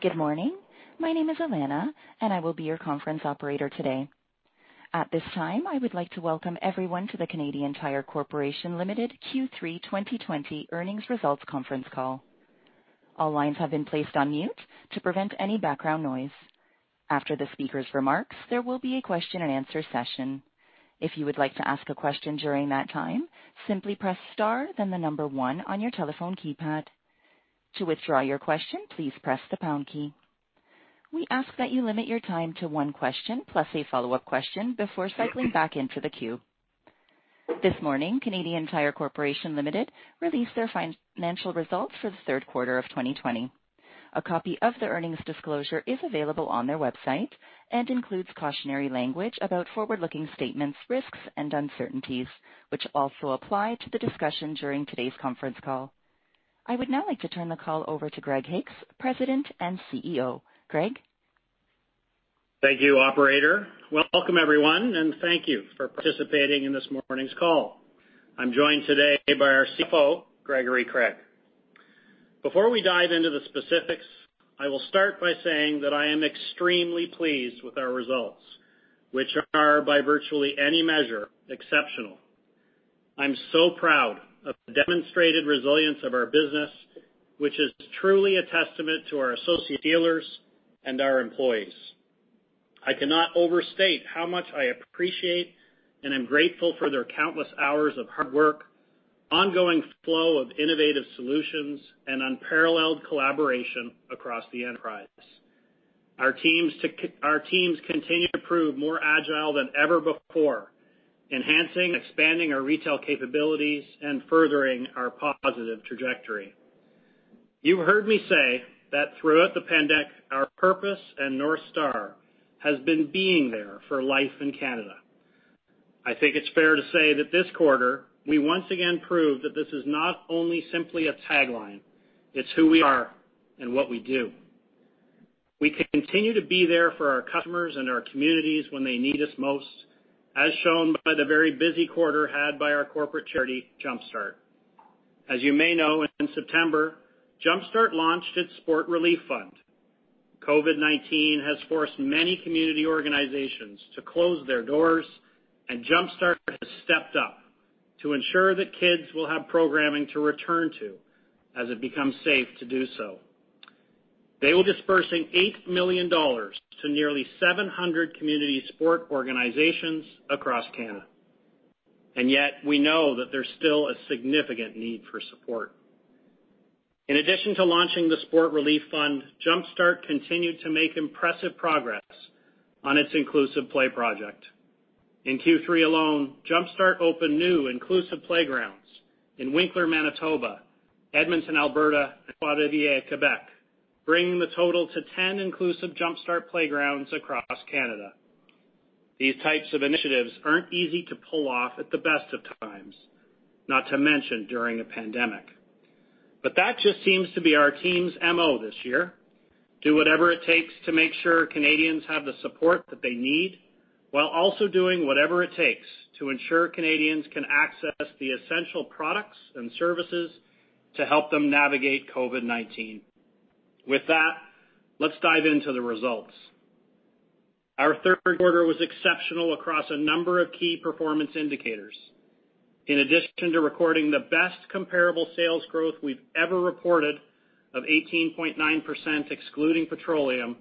Good morning. My name is Alana, and I will be your conference operator today. At this time, I would like to welcome everyone to the Canadian Tire Corporation Limited Q3 2020 earnings results conference call. All lines have been placed on mute to prevent any background noise. After the speaker's remarks, there will be a question and answer session. If you would like to ask a question during that time, simply press star, then the number one on your telephone keypad. To withdraw your question, please press the pound key. We ask that you limit your time to one question, plus a follow-up question, before cycling back into the queue. This morning, Canadian Tire Corporation Limited released their financial results for the third quarter of 2020. A copy of the earnings disclosure is available on their website and includes cautionary language about forward-looking statements, risks, and uncertainties, which also apply to the discussion during today's conference call. I would now like to turn the call over to Greg Hicks, President and CEO. Greg? Thank you, operator. Welcome, everyone, and thank you for participating in this morning's call. I'm joined today by our CFO, Gregory Craig. Before we dive into the specifics, I will start by saying that I am extremely pleased with our results, which are, by virtually any measure, exceptional. I'm so proud of the demonstrated resilience of our business, which is truly a testament to our associate dealers and our employees. I cannot overstate how much I appreciate and am grateful for their countless hours of hard work, ongoing flow of innovative solutions, and unparalleled collaboration across the enterprise. Our teams continue to prove more agile than ever before, enhancing and expanding our retail capabilities and furthering our positive trajectory. You've heard me say that throughout the pandemic, our purpose and North Star has been being there for life in Canada. I think it's fair to say that this quarter, we once again proved that this is not only simply a tagline, it's who we are and what we do. We continue to be there for our customers and our communities when they need us most, as shown by the very busy quarter had by our corporate charity, Jumpstart. As you may know, in September, Jumpstart launched its Sport Relief Fund. COVID-19 has forced many community organizations to close their doors, and Jumpstart has stepped up to ensure that kids will have programming to return to as it becomes safe to do so. They will disburse 8 million dollars to nearly 700 community sport organizations across Canada, and yet we know that there's still a significant need for support. In addition to launching the Sport Relief Fund, Jumpstart continued to make impressive progress on its Inclusive Play Project. In Q3 alone, Jumpstart opened new inclusive playgrounds in Winkler, Manitoba, Edmonton, Alberta, and Poitier, Quebec, bringing the total to 10 inclusive Jumpstart playgrounds across Canada. These types of initiatives aren't easy to pull off at the best of times, not to mention during a pandemic. But that just seems to be our team's MO this year: do whatever it takes to make sure Canadians have the support that they need, while also doing whatever it takes to ensure Canadians can access the essential products and services to help them navigate COVID-19. With that, let's dive into the results. Our third quarter was exceptional across a number of key performance indicators. In addition to recording the best comparable sales growth we've ever reported of 18.9%, excluding petroleum,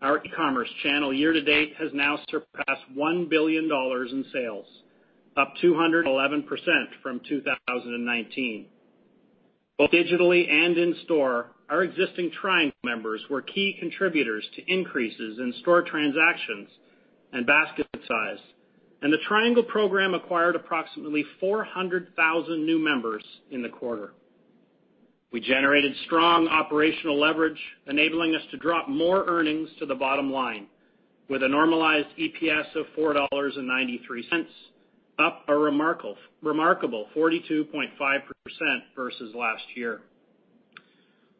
our e-commerce channel year to date has now surpassed 1 billion dollars in sales, up 211% from 2019. Both digitally and in store, our existing Triangle members were key contributors to increases in store transactions and basket size, and the Triangle program acquired approximately 400,000 new members in the quarter. We generated strong operational leverage, enabling us to drop more earnings to the bottom line with a normalized EPS of 4.93 dollars, up a remarkable 42.5% versus last year.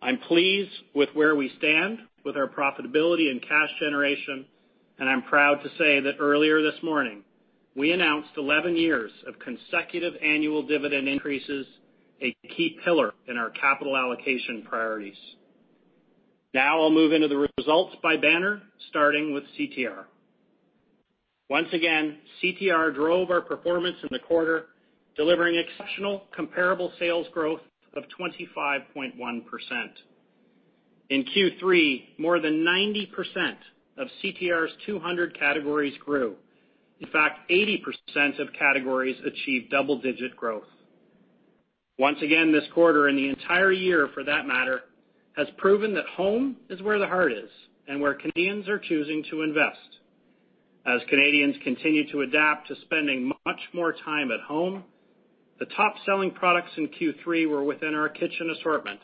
I'm pleased with where we stand with our profitability and cash generation, and I'm proud to say that earlier this morning, we announced 11 years of consecutive annual dividend increases, a key pillar in our capital allocation priorities. Now I'll move into the results by banner, starting with CTR. Once again, CTR drove our performance in the quarter, delivering exceptional comparable sales growth of 25.1%. In Q3, more than 90% of CTR's 200 categories grew. In fact, 80% of categories achieved double-digit growth. Once again, this quarter, and the entire year, for that matter, has proven that home is where the heart is and where Canadians are choosing to invest. As Canadians continue to adapt to spending much more time at home, the top-selling products in Q3 were within our kitchen assortment,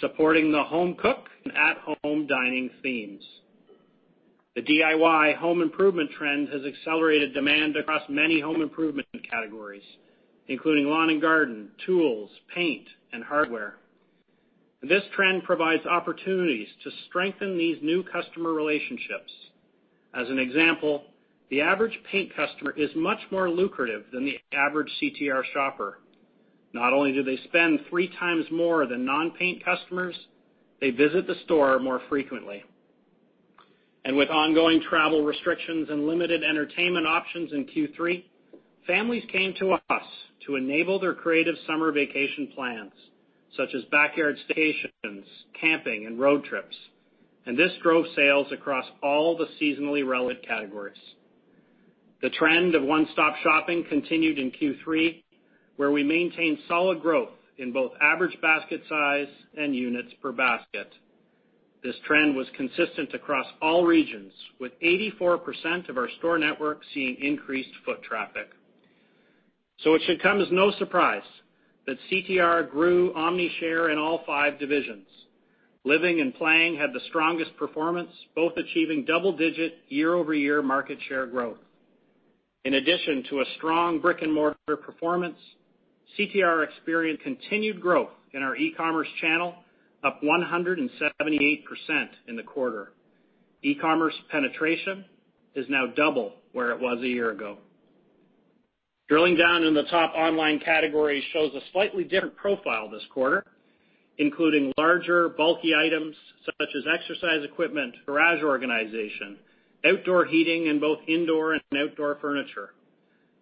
supporting the home cook and at-home dining themes. The DIY home improvement trend has accelerated demand across many home improvement categories, including lawn and garden, tools, paint, and hardware. This trend provides opportunities to strengthen these new customer relationships... As an example, the average paint customer is much more lucrative than the average CTR shopper. Not only do they spend three times more than non-paint customers, they visit the store more frequently. With ongoing travel restrictions and limited entertainment options in Q3, families came to us to enable their creative summer vacation plans, such as backyard stations, camping, and road trips, and this drove sales across all the seasonally relevant categories. The trend of one-stop shopping continued in Q3, where we maintained solid growth in both average basket size and units per basket. This trend was consistent across all regions, with 84% of our store network seeing increased foot traffic. So it should come as no surprise that CTR grew Omnishare in all five divisions. Living and playing had the strongest performance, both achieving double-digit year-over-year market share growth. In addition to a strong brick-and-mortar performance, CTR experienced continued growth in our e-commerce channel, up 178% in the quarter. E-commerce penetration is now double where it was a year ago. Drilling down in the top online category shows a slightly different profile this quarter, including larger, bulky items such as exercise equipment, garage organization, outdoor heating, and both indoor and outdoor furniture.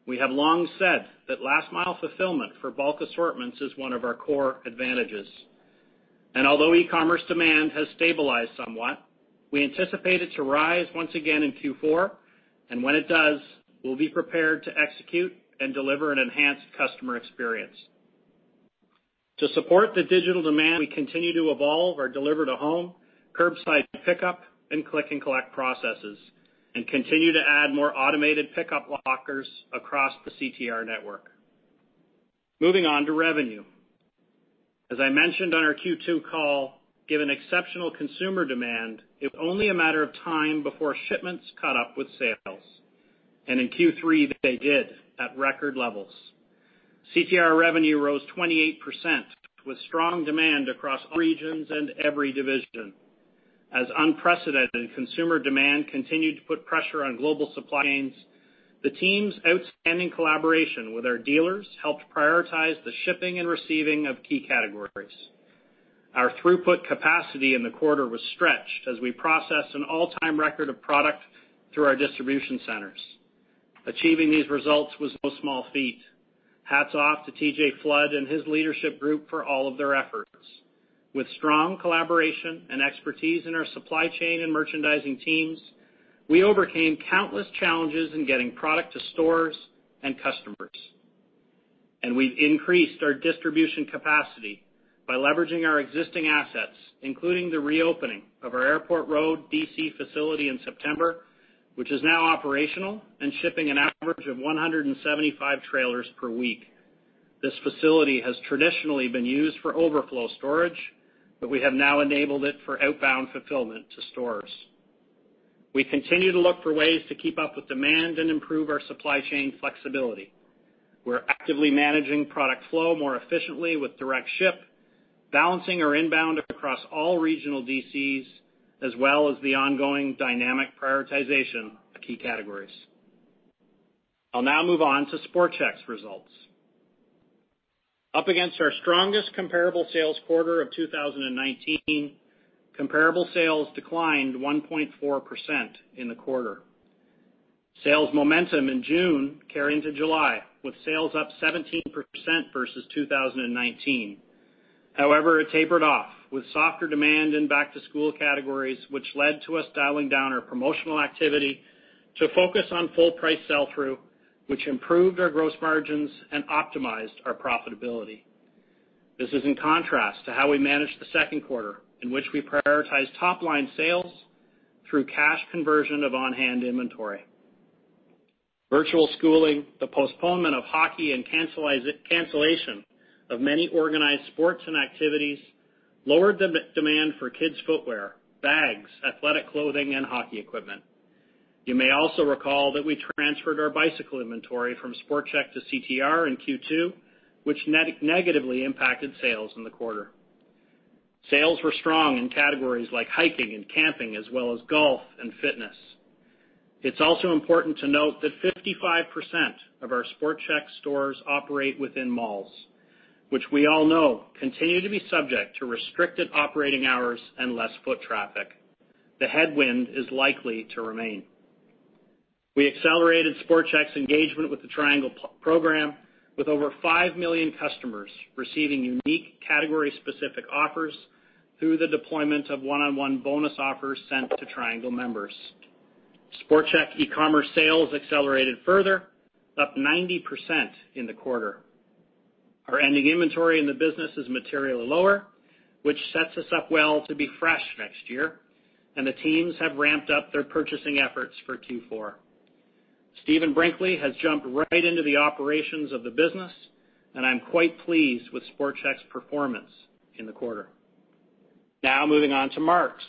We have long said that last mile fulfillment for bulk assortments is one of our core advantages, and although e-commerce demand has stabilized somewhat, we anticipate it to rise once again in Q4, and when it does, we'll be prepared to execute and deliver an enhanced customer experience. To support the digital demand, we continue to evolve our deliver-to-home, curbside pickup, and click-and-collect processes, and continue to add more automated pickup lockers across the CTR network. Moving on to revenue. As I mentioned on our Q2 call, given exceptional consumer demand, it was only a matter of time before shipments caught up with sales, and in Q3, they did at record levels. CTR revenue rose 28%, with strong demand across all regions and every division. As unprecedented consumer demand continued to put pressure on global supply chains, the team's outstanding collaboration with our dealers helped prioritize the shipping and receiving of key categories. Our throughput capacity in the quarter was stretched as we processed an all-time record of product through our distribution centers. Achieving these results was no small feat. Hats off to TJ Flood and his leadership group for all of their efforts. With strong collaboration and expertise in our supply chain and merchandising teams, we overcame countless challenges in getting product to stores and customers. We've increased our distribution capacity by leveraging our existing assets, including the reopening of our Airport Road DC facility in September, which is now operational and shipping an average of 175 trailers per week. This facility has traditionally been used for overflow storage, but we have now enabled it for outbound fulfillment to stores. We continue to look for ways to keep up with demand and improve our supply chain flexibility. We're actively managing product flow more efficiently with direct ship, balancing our inbound across all regional DCs, as well as the ongoing dynamic prioritization of key categories. I'll now move on to Sport Chek's results. Up against our strongest comparable sales quarter of 2019, comparable sales declined 1.4% in the quarter. Sales momentum in June carried into July, with sales up 17% versus 2019. However, it tapered off with softer demand in back-to-school categories, which led to us dialing down our promotional activity to focus on full price sell-through, which improved our gross margins and optimized our profitability. This is in contrast to how we managed the second quarter, in which we prioritized top-line sales through cash conversion of on-hand inventory. Virtual schooling, the postponement of hockey, and cancellation of many organized sports and activities lowered demand for kids' footwear, bags, athletic clothing, and hockey equipment. You may also recall that we transferred our bicycle inventory from Sport Chek to CTR in Q2, which net negatively impacted sales in the quarter. Sales were strong in categories like hiking and camping, as well as golf and fitness. It's also important to note that 55% of our Sport Chek stores operate within malls, which we all know continue to be subject to restricted operating hours and less foot traffic. The headwind is likely to remain. We accelerated Sport Chek's engagement with the Triangle program, with over 5 million customers receiving unique, category-specific offers through the deployment of one-on-one bonus offers sent to Triangle members. Sport Chek e-commerce sales accelerated further, up 90% in the quarter. Our ending inventory in the business is materially lower, which sets us up well to be fresh next year, and the teams have ramped up their purchasing efforts for Q4. Stephen Brinkley has jumped right into the operations of the business, and I'm quite pleased with Sport Chek's performance in the quarter. Now, moving on to Mark's.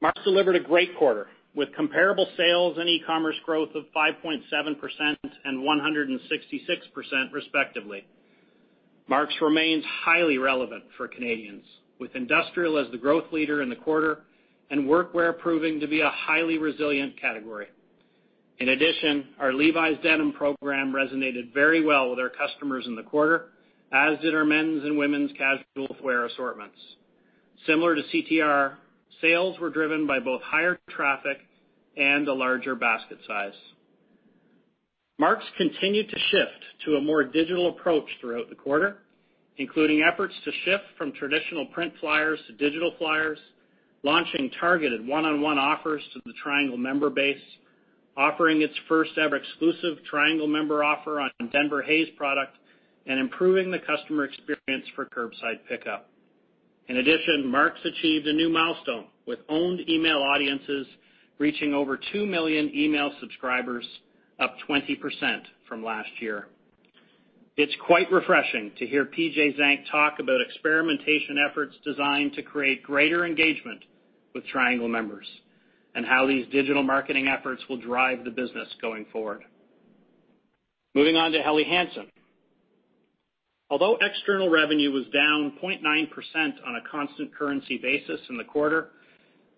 Mark's delivered a great quarter, with comparable sales and e-commerce growth of 5.7% and 166%, respectively. Mark's remains highly relevant for Canadians, with industrial as the growth leader in the quarter and workwear proving to be a highly resilient category. In addition, our Levi's denim program resonated very well with our customers in the quarter, as did our men's and women's casual wear assortments. Similar to CTR, sales were driven by both higher traffic and a larger basket size. Mark's continued to shift to a more digital approach throughout the quarter, including efforts to shift from traditional print flyers to digital flyers, launching targeted one-on-one offers to the Triangle member base, offering its first-ever exclusive Triangle member offer on Denver Hayes product, and improving the customer experience for curbside pickup. In addition, Mark's achieved a new milestone, with owned email audiences reaching over 2 million email subscribers, up 20% from last year. It's quite refreshing to hear PJ Czank talk about experimentation efforts designed to create greater engagement with Triangle members and how these digital marketing efforts will drive the business going forward. Moving on to Helly Hansen. Although external revenue was down 0.9% on a constant currency basis in the quarter,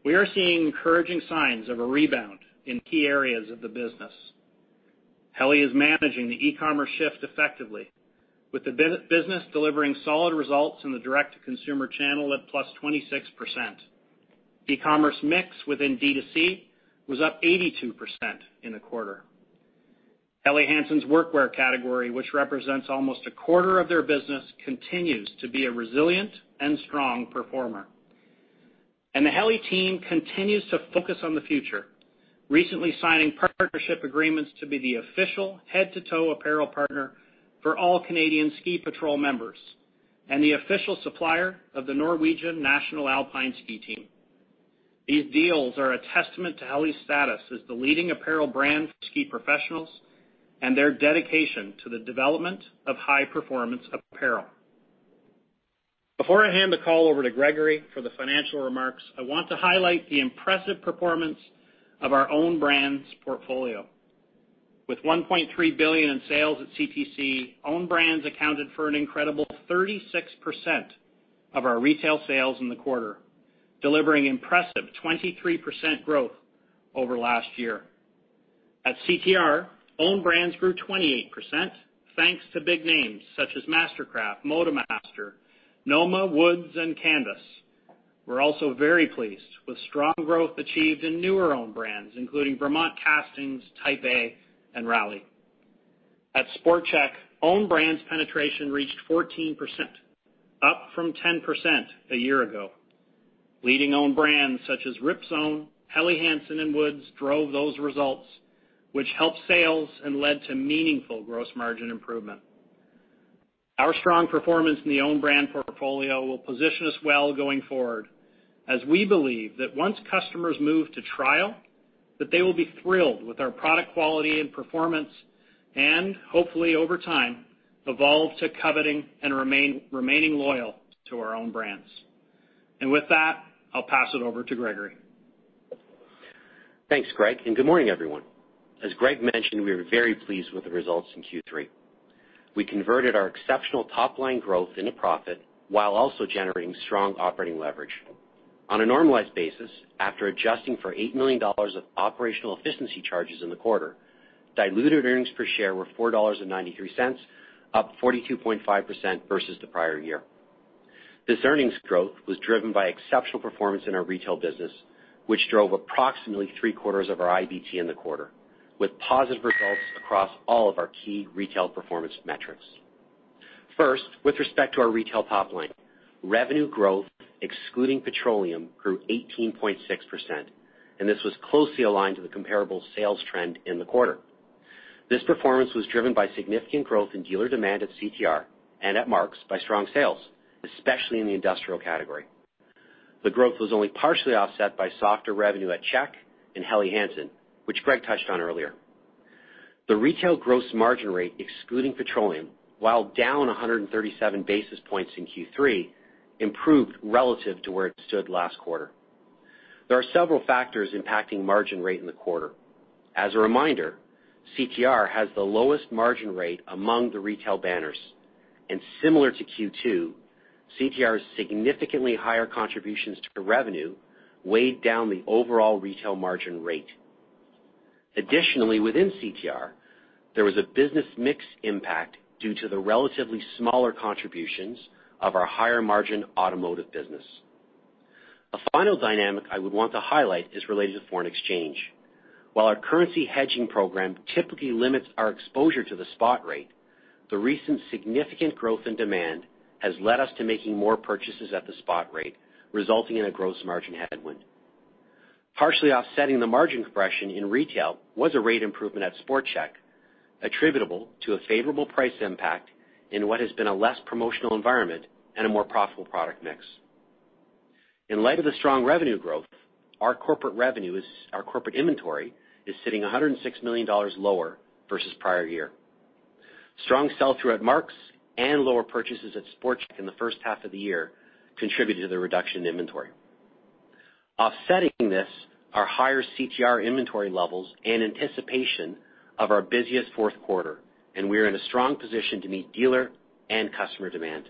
we are seeing encouraging signs of a rebound in key areas of the business. Helly is managing the e-commerce shift effectively, with the business delivering solid results in the direct-to-consumer channel at +26%. E-commerce mix within D2C was up 82% in the quarter. Helly Hansen's workwear category, which represents almost a quarter of their business, continues to be a resilient and strong performer. The Helly team continues to focus on the future, recently signing partnership agreements to be the official head-to-toe apparel partner for all Canadian Ski Patrol members and the official supplier of the Norwegian National Alpine Ski Team. These deals are a testament to Helly's status as the leading apparel brand for ski professionals and their dedication to the development of high-performance apparel. Before I hand the call over to Gregory for the financial remarks, I want to highlight the impressive performance of our own brands portfolio. With 1.3 billion in sales at CTC, own brands accounted for an incredible 36% of our retail sales in the quarter, delivering impressive 23% growth over last year. At CTR, own brands grew 28%, thanks to big names such as Mastercraft, MotoMaster, Noma, Woods, and Canvas. We're also very pleased with strong growth achieved in newer own brands, including Vermont Castings, Type A, and Rally. At Sport Chek, own brands penetration reached 14%, up from 10% a year ago. Leading own brands such as Ripzone, Helly Hansen, and Woods drove those results, which helped sales and led to meaningful gross margin improvement. Our strong performance in the own brand portfolio will position us well going forward, as we believe that once customers move to trial, that they will be thrilled with our product quality and performance, and hopefully, over time, evolve to coveting and remaining loyal to our own brands. With that, I'll pass it over to Gregory. Thanks, Greg, and good morning, everyone. As Greg mentioned, we are very pleased with the results in Q3. We converted our exceptional top-line growth into profit while also generating strong operating leverage. On a normalized basis, after adjusting for $8 million of operational efficiency charges in the quarter, diluted earnings per share were $4.93, up 42.5% versus the prior year. This earnings growth was driven by exceptional performance in our retail business, which drove approximately three-quarters of our IBT in the quarter, with positive results across all of our key retail performance metrics. First, with respect to our retail top line, revenue growth, excluding petroleum, grew 18.6%, and this was closely aligned to the comparable sales trend in the quarter. This performance was driven by significant growth in dealer demand at CTR and at Mark's by strong sales, especially in the industrial category. The growth was only partially offset by softer revenue at Sport Chek and Helly Hansen, which Greg touched on earlier. The retail gross margin rate, excluding petroleum, while down 137 basis points in Q3, improved relative to where it stood last quarter. There are several factors impacting margin rate in the quarter. As a reminder, CTR has the lowest margin rate among the retail banners, and similar to Q2, CTR's significantly higher contributions to revenue weighed down the overall retail margin rate. Additionally, within CTR, there was a business mix impact due to the relatively smaller contributions of our higher-margin automotive business. A final dynamic I would want to highlight is related to foreign exchange. While our currency hedging program typically limits our exposure to the spot rate, the recent significant growth in demand has led us to making more purchases at the spot rate, resulting in a gross margin headwind. Partially offsetting the margin compression in retail was a rate improvement at Sport Chek, attributable to a favorable price impact in what has been a less promotional environment and a more profitable product mix. In light of the strong revenue growth, our corporate revenue is—our corporate inventory is sitting 106 million dollars lower versus prior year. Strong sell-through at Mark's and lower purchases at Sport Chek in the first half of the year contributed to the reduction in inventory, offsetting this are higher CTR inventory levels in anticipation of our busiest fourth quarter, and we are in a strong position to meet dealer and customer demand.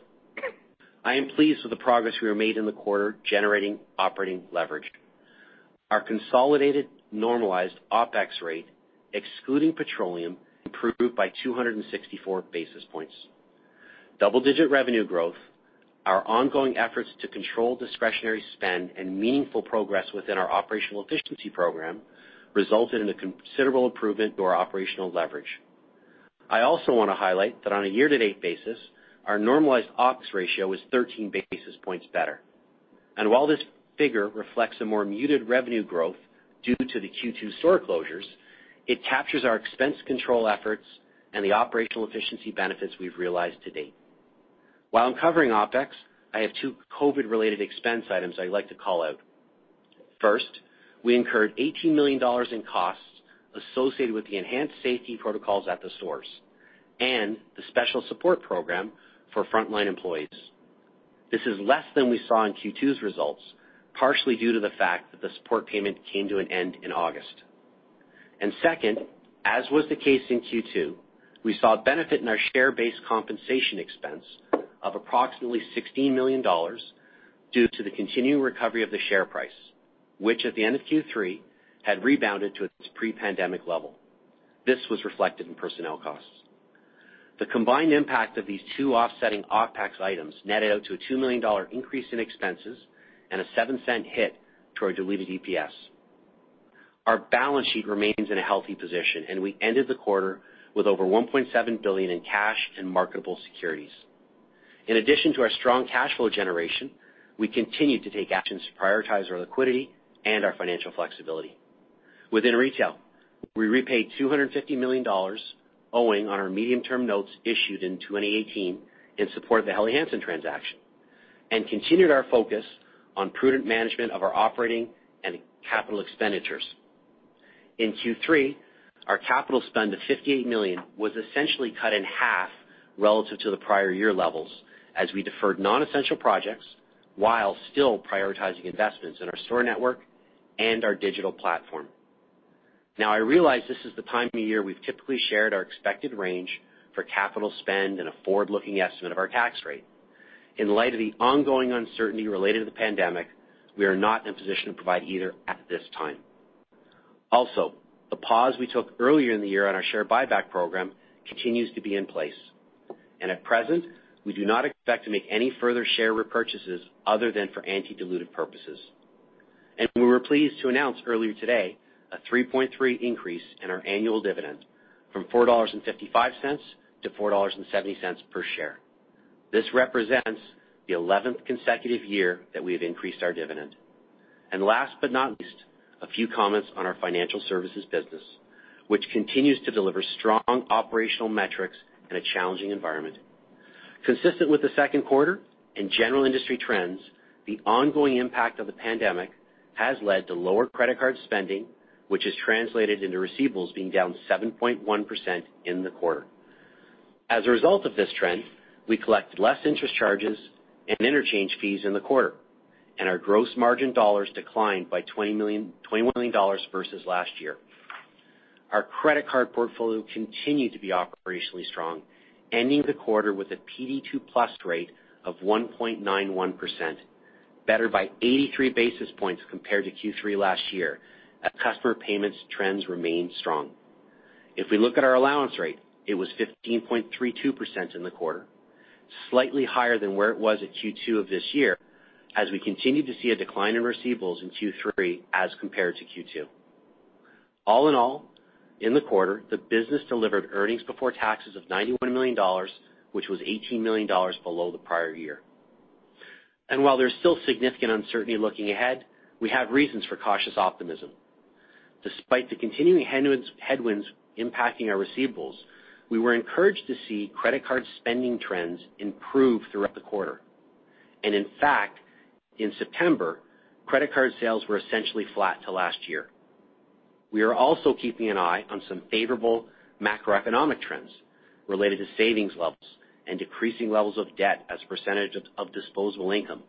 I am pleased with the progress we have made in the quarter, generating operating leverage. Our consolidated normalized OpEx rate, excluding petroleum, improved by 264 basis points. Double-digit revenue growth, our ongoing efforts to control discretionary spend, and meaningful progress within our operational efficiency program resulted in a considerable improvement to our operational leverage. I also wanna highlight that on a year-to-date basis, our normalized OpEx ratio is 13 basis points better. While this figure reflects a more muted revenue growth due to the Q2 store closures, it captures our expense control efforts and the operational efficiency benefits we've realized to date. While I'm covering OpEx, I have two COVID-related expense items I'd like to call out. First, we incurred 18 million dollars in costs associated with the enhanced safety protocols at the stores and the special support program for frontline employees. This is less than we saw in Q2's results, partially due to the fact that the support payment came to an end in August. Second, as was the case in Q2, we saw a benefit in our share-based compensation expense of approximately 16 million dollars due to the continuing recovery of the share price, which, at the end of Q3, had rebounded to its pre-pandemic level. This was reflected in personnel costs. The combined impact of these two offsetting OpEx items netted out to a 2 million dollar increase in expenses and a $0.07 hit to our diluted EPS. Our balance sheet remains in a healthy position, and we ended the quarter with over 1.7 billion in cash and marketable securities. In addition to our strong cash flow generation, we continued to take actions to prioritize our liquidity and our financial flexibility. Within retail, we repaid 250 million dollars owing on our medium-term notes issued in 2018 in support of the Helly Hansen transaction and continued our focus on prudent management of our operating and capital expenditures. In Q3, our capital spend of 58 million was essentially cut in half relative to the prior year levels as we deferred non-essential projects while still prioritizing investments in our store network and our digital platform. Now, I realize this is the time of year we've typically shared our expected range for capital spend and a forward-looking estimate of our tax rate. In light of the ongoing uncertainty related to the pandemic, we are not in a position to provide either at this time. Also, the pause we took earlier in the year on our share buyback program continues to be in place, and at present, we do not expect to make any further share repurchases other than for anti-dilutive purposes. We were pleased to announce earlier today a 3.3% increase in our annual dividend from 4.55 dollars to 4.70 dollars per share. This represents the eleventh consecutive year that we have increased our dividend. And last but not least, a few comments on our financial services business, which continues to deliver strong operational metrics in a challenging environment. Consistent with the second quarter and general industry trends, the ongoing impact of the pandemic has led to lower credit card spending, which has translated into receivables being down 7.1% in the quarter. As a result of this trend, we collected less interest charges and interchange fees in the quarter, and our gross margin dollars declined by 20 million–21 million dollars versus last year. Our credit card portfolio continued to be operationally strong, ending the quarter with a PD2+ rate of 1.91%, better by 83 basis points compared to Q3 last year, as customer payments trends remained strong. If we look at our allowance rate, it was 15.32% in the quarter, slightly higher than where it was at Q2 of this year, as we continued to see a decline in receivables in Q3 as compared to Q2. All in all, in the quarter, the business delivered earnings before taxes of 91 million dollars, which was 18 million dollars below the prior year. And while there's still significant uncertainty looking ahead, we have reasons for cautious optimism. Despite the continuing headwinds, headwinds impacting our receivables, we were encouraged to see credit card spending trends improve throughout the quarter. And in fact, in September, credit card sales were essentially flat to last year. We are also keeping an eye on some favorable macroeconomic trends related to savings levels and decreasing levels of debt as a percentage of disposable income,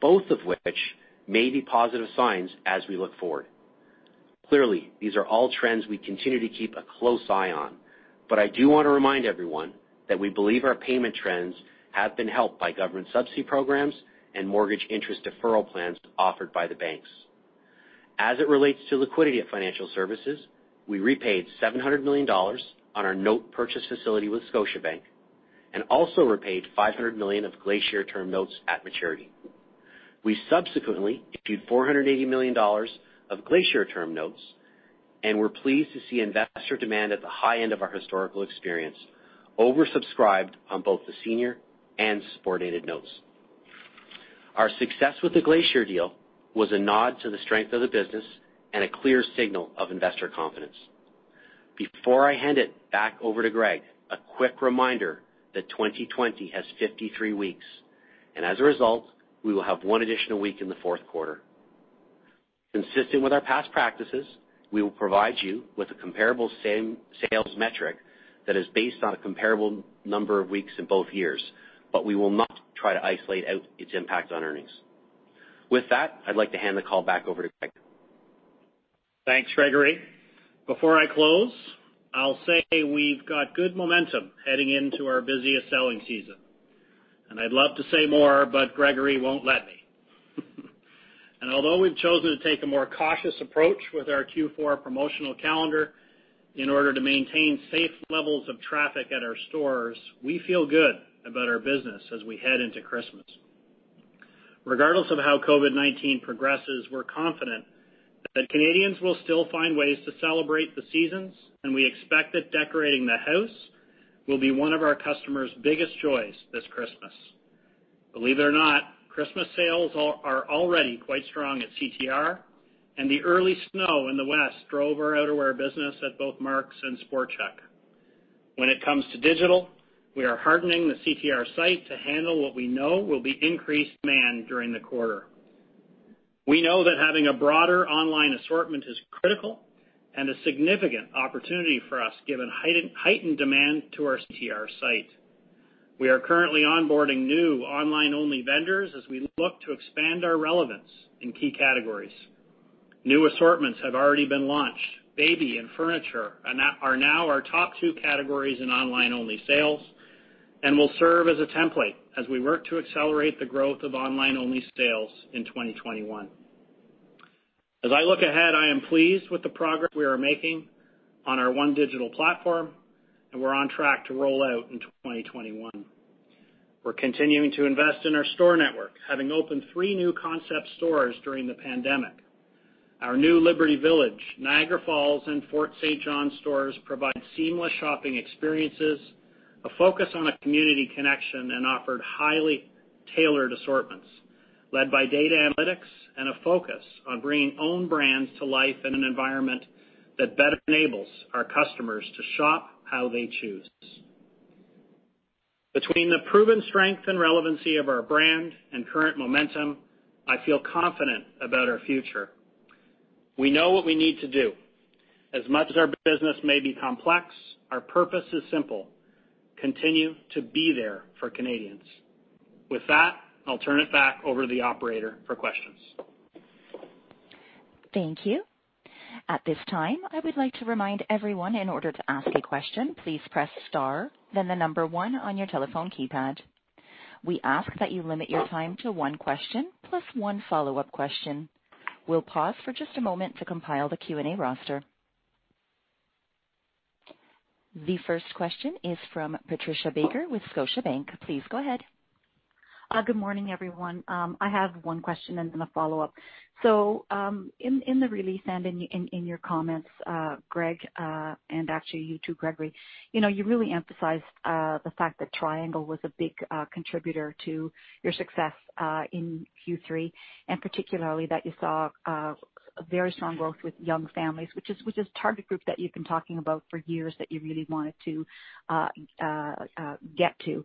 both of which may be positive signs as we look forward. Clearly, these are all trends we continue to keep a close eye on, but I do want to remind everyone that we believe our payment trends have been helped by government subsidy programs and mortgage interest deferral plans offered by the banks. As it relates to liquidity of financial services, we repaid CAD $700 million on our note purchase facility with Scotiabank and also repaid CAD $500 million of Glacier term notes at maturity. We subsequently issued CAD $480 million of Glacier term notes, and we're pleased to see investor demand at the high end of our historical experience oversubscribed on both the senior and subordinated notes. Our success with the Glacier deal was a nod to the strength of the business and a clear signal of investor confidence. Before I hand it back over to Greg, a quick reminder that 2020 has 53 weeks, and as a result, we will have 1 additional week in the fourth quarter. Consistent with our past practices, we will provide you with a comparable same sales metric that is based on a comparable number of weeks in both years, but we will not try to isolate out its impact on earnings. With that, I'd like to hand the call back over to Greg. Thanks, Gregory. Before I close, I'll say we've got good momentum heading into our busiest selling season, and I'd love to say more, but Gregory won't let me. And although we've chosen to take a more cautious approach with our Q4 promotional calendar in order to maintain safe levels of traffic at our stores, we feel good about our business as we head into Christmas. Regardless of how COVID-19 progresses, we're confident that Canadians will still find ways to celebrate the seasons, and we expect that decorating the house will be one of our customers' biggest joys this Christmas. Believe it or not, Christmas sales are already quite strong at CTR, and the early snow in the West drove our outerwear business at both Mark's and Sport Chek. When it comes to digital, we are hardening the CTR site to handle what we know will be increased demand during the quarter. We know that having a broader online assortment is critical and a significant opportunity for us, given heightened demand to our CTR site. We are currently onboarding new online-only vendors as we look to expand our relevance in key categories. New assortments have already been launched. Baby and furniture are now our top two categories in online-only sales and will serve as a template as we work to accelerate the growth of online-only sales in 2021. As I look ahead, I am pleased with the progress we are making on our one digital platform, and we're on track to roll out in 2021. We're continuing to invest in our store network, having opened three new concept stores during the pandemic. Our new Liberty Village, Niagara Falls, and Fort St. John stores provide seamless shopping experiences, a focus on a community connection, and offered highly tailored assortments, led by data analytics and a focus on bringing own brands to life in an environment that better enables our customers to shop how they choose. Between the proven strength and relevancy of our brand and current momentum, I feel confident about our future. We know what we need to do. As much as our business may be complex, our purpose is simple: continue to be there for Canadians. With that, I'll turn it back over to the operator for questions. Thank you. At this time, I would like to remind everyone, in order to ask a question, please press star, then the number one on your telephone keypad. We ask that you limit your time to one question plus one follow-up question. We'll pause for just a moment to compile the Q&A roster. The first question is from Patricia Baker with Scotiabank. Please go ahead. Good morning, everyone. I have one question and then a follow-up. So, in the release and in your comments, Greg, and actually you too, Gregory, you know, you really emphasized the fact that Triangle was a big contributor to your success in Q3, and particularly that you saw a very strong growth with young families, which is target group that you've been talking about for years, that you really wanted to get to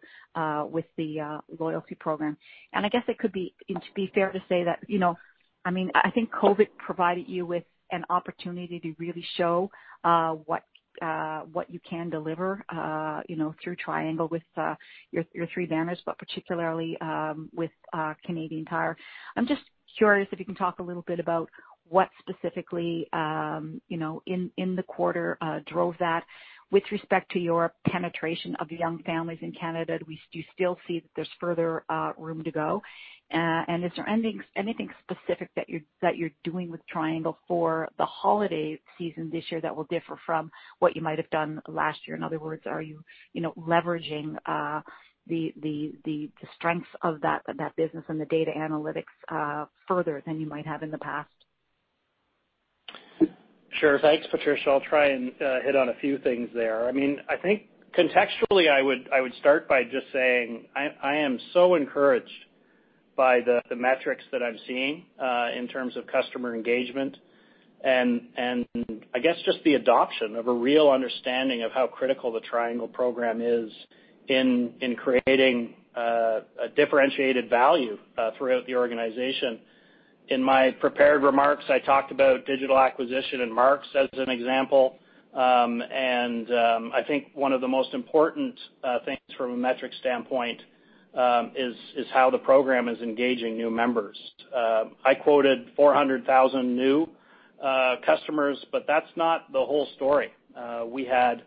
with the loyalty program. And I guess it could be, it'd be fair to say that, you know, I mean, I think COVID provided you with an opportunity to really show what you can deliver, you know, through Triangle with your three banners, but particularly with Canadian Tire. I'm just curious if you can talk a little bit about what specifically, you know, in the quarter, drove that with respect to your penetration of young families in Canada. Do you still see that there's further room to go? And is there anything specific that you're doing with Triangle for the holiday season this year that will differ from what you might have done last year? In other words, are you, you know, leveraging the strengths of that business and the data analytics further than you might have in the past? Sure. Thanks, Patricia. I'll try and hit on a few things there. I mean, I think contextually, I would start by just saying, I am so encouraged by the metrics that I'm seeing in terms of customer engagement and I guess just the adoption of a real understanding of how critical the Triangle program is in creating a differentiated value throughout the organization. In my prepared remarks, I talked about digital acquisition and Mark's as an example. And I think one of the most important things from a metric standpoint is how the program is engaging new members. I quoted 400,000 new customers, but that's not the whole story. We had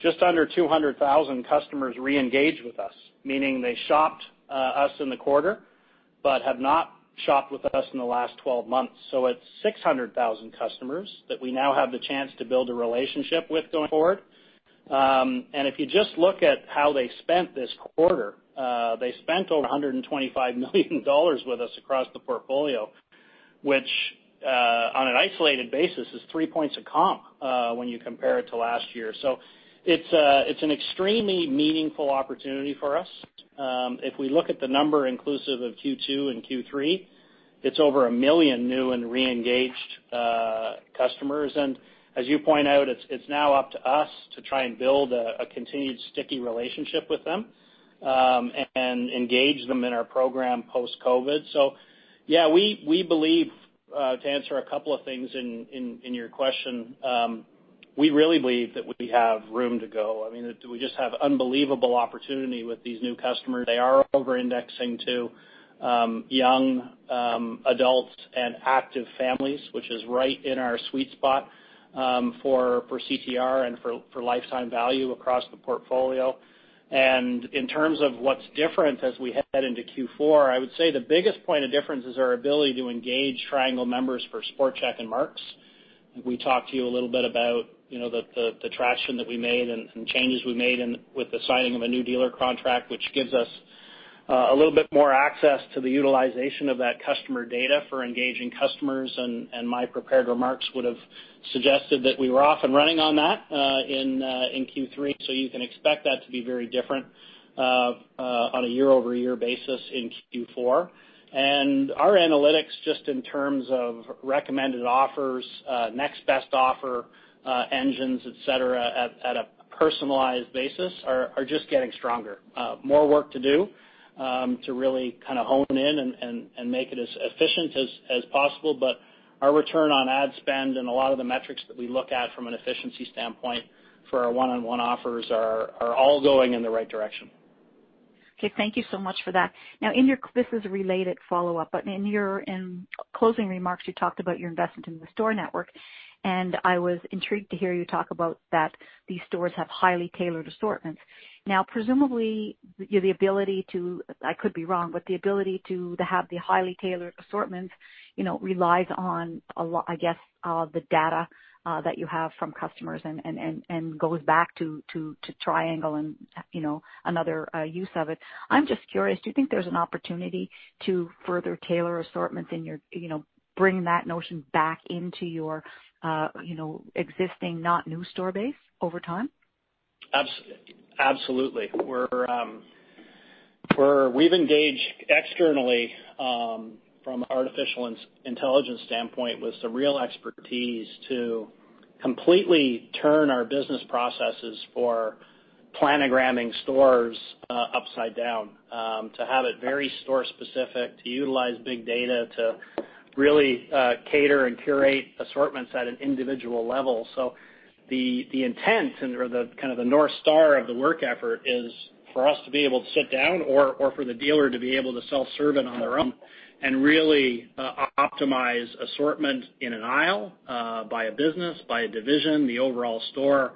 just under 200,000 customers reengage with us, meaning they shopped us in the quarter, but have not shopped with us in the last 12 months. So it's 600,000 customers that we now have the chance to build a relationship with going forward. And if you just look at how they spent this quarter, they spent over 125 million dollars with us across the portfolio, which, on an isolated basis, is 3 points of comp, when you compare it to last year. So it's, it's an extremely meaningful opportunity for us. If we look at the number inclusive of Q2 and Q3, it's over 1 million new and reengaged. customers, and as you point out, it's now up to us to try and build a continued sticky relationship with them, and engage them in our program post-COVID. So yeah, we believe, to answer a couple of things in your question, we really believe that we have room to go. I mean, we just have unbelievable opportunity with these new customers. They are over-indexing to young adults and active families, which is right in our sweet spot, for CTR and for lifetime value across the portfolio. And in terms of what's different as we head into Q4, I would say the biggest point of difference is our ability to engage Triangle members for Sport Chek and Mark's. We talked to you a little bit about, you know, the traction that we made and changes we made in with the signing of a new dealer contract, which gives us a little bit more access to the utilization of that customer data for engaging customers. And my prepared remarks would've suggested that we were off and running on that in Q3, so you can expect that to be very different on a year-over-year basis in Q4. And our analytics, just in terms of recommended offers, next best offer, engines, et cetera, at a personalized basis, are just getting stronger. More work to do to really kind of hone in and make it as efficient as possible. But our return on ad spend and a lot of the metrics that we look at from an efficiency standpoint for our one-on-one offers are all going in the right direction. Okay, thank you so much for that. Now, this is a related follow-up, but in your closing remarks, you talked about your investment in the store network, and I was intrigued to hear you talk about that these stores have highly tailored assortments. Now, presumably, the ability to... I could be wrong, but the ability to have the highly tailored assortments, you know, relies on a lot, I guess, the data that you have from customers and goes back to Triangle and, you know, another use of it. I'm just curious, do you think there's an opportunity to further tailor assortments in your, you know, bring that notion back into your, you know, existing, not new store base over time? Absolutely. We're, we've engaged externally, from an artificial intelligence standpoint, with some real expertise to completely turn our business processes for planogramming stores, upside down, to have it very store specific, to utilize big data, to really, cater and curate assortments at an individual level. So the, the intent and/or the kind of the North Star of the work effort is for us to be able to sit down or, or for the dealer to be able to self-serve it on their own, and really, optimize assortment in an aisle, by a business, by a division, the overall store,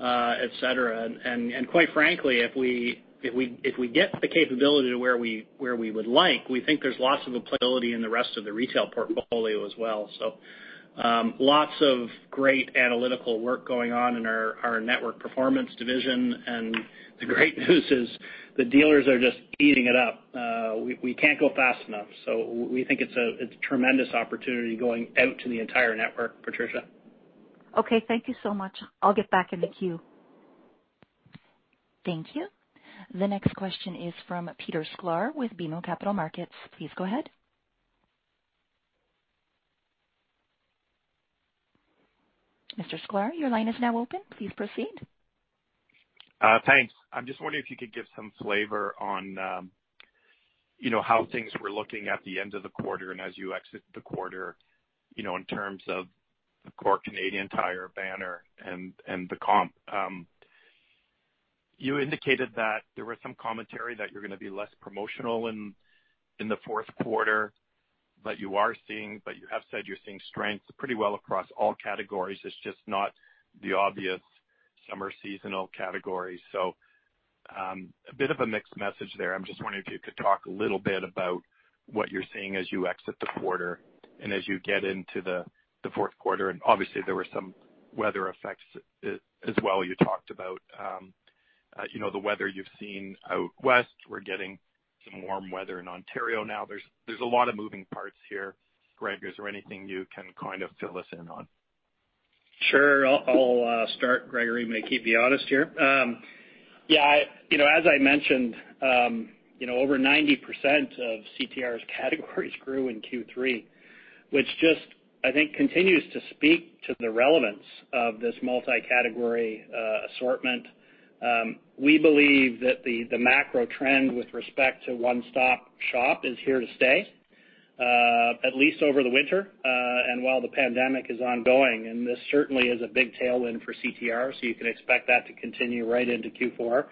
et cetera. And, and quite frankly, if we, if we, if we get the capability to where we, where we would like, we think there's lots of ability in the rest of the retail portfolio as well. So, lots of great analytical work going on in our network performance division, and the great news is the dealers are just eating it up. We can't go fast enough. So we think it's a tremendous opportunity going out to the entire network, Patricia. Okay, thank you so much. I'll get back in the queue. Thank you. The next question is from Peter Sklar with BMO Capital Markets. Please go ahead. Mr. Sklar, your line is now open. Please proceed. Thanks. I'm just wondering if you could give some flavor on, you know, how things were looking at the end of the quarter and as you exit the quarter, you know, in terms of the core Canadian Tire banner and, and the comp. You indicated that there was some commentary that you're gonna be less promotional in, in the fourth quarter, but you are seeing- but you have said you're seeing strength pretty well across all categories. It's just not the obvious summer seasonal categories. So, a bit of a mixed message there. I'm just wondering if you could talk a little bit about what you're seeing as you exit the quarter and as you get into the, the fourth quarter. And obviously, there were some weather effects as well. You talked about, you know, the weather you've seen out west. We're getting some warm weather in Ontario now. There's a lot of moving parts here, Greg. Is there anything you can kind of fill us in on? Sure. I'll start. Gregory may keep me honest here. Yeah, you know, as I mentioned, you know, over 90% of CTR's categories grew in Q3, which just, I think, continues to speak to the relevance of this multi-category assortment. We believe that the macro trend with respect to one-stop shop is here to stay, at least over the winter, and while the pandemic is ongoing, and this certainly is a big tailwind for CTR, so you can expect that to continue right into Q4.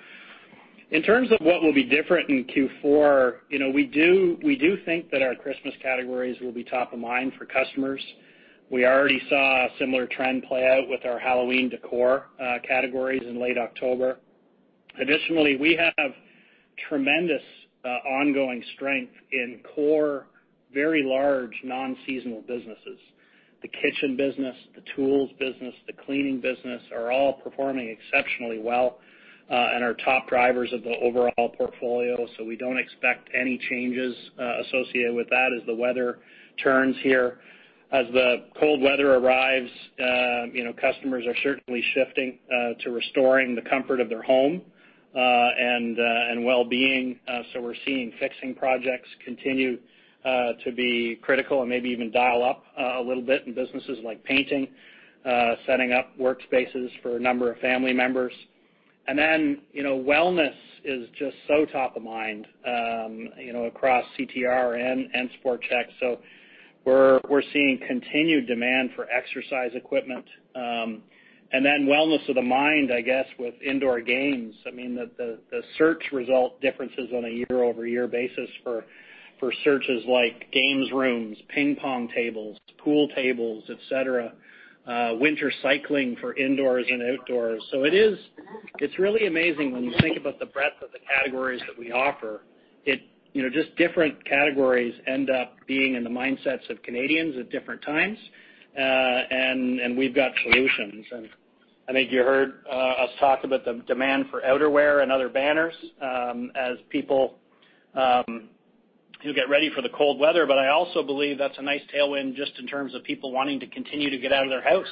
In terms of what will be different in Q4, you know, we do think that our Christmas categories will be top of mind for customers. We already saw a similar trend play out with our Halloween decor categories in late October. Additionally, we have tremendous, ongoing strength in core, very large, non-seasonal businesses. The kitchen business, the tools business, the cleaning business are all performing exceptionally well, and are top drivers of the overall portfolio, so we don't expect any changes associated with that as the weather turns here. As the cold weather arrives, you know, customers are certainly shifting to restoring the comfort of their home, and, and wellbeing. So we're seeing fixing projects continue to be critical and maybe even dial up a little bit in businesses like painting, setting up workspaces for a number of family members.... And then, you know, wellness is just so top of mind, you know, across CTR and Sport Chek. So we're seeing continued demand for exercise equipment, and then wellness of the mind, I guess, with indoor games. I mean, the search result differences on a year-over-year basis for searches like games rooms, ping pong tables, pool tables, et cetera, winter cycling for indoors and outdoors. It's really amazing when you think about the breadth of the categories that we offer, you know, just different categories end up being in the mindsets of Canadians at different times, and we've got solutions. And I think you heard us talk about the demand for outerwear and other banners, as people you get ready for the cold weather. But I also believe that's a nice tailwind just in terms of people wanting to continue to get out of their house,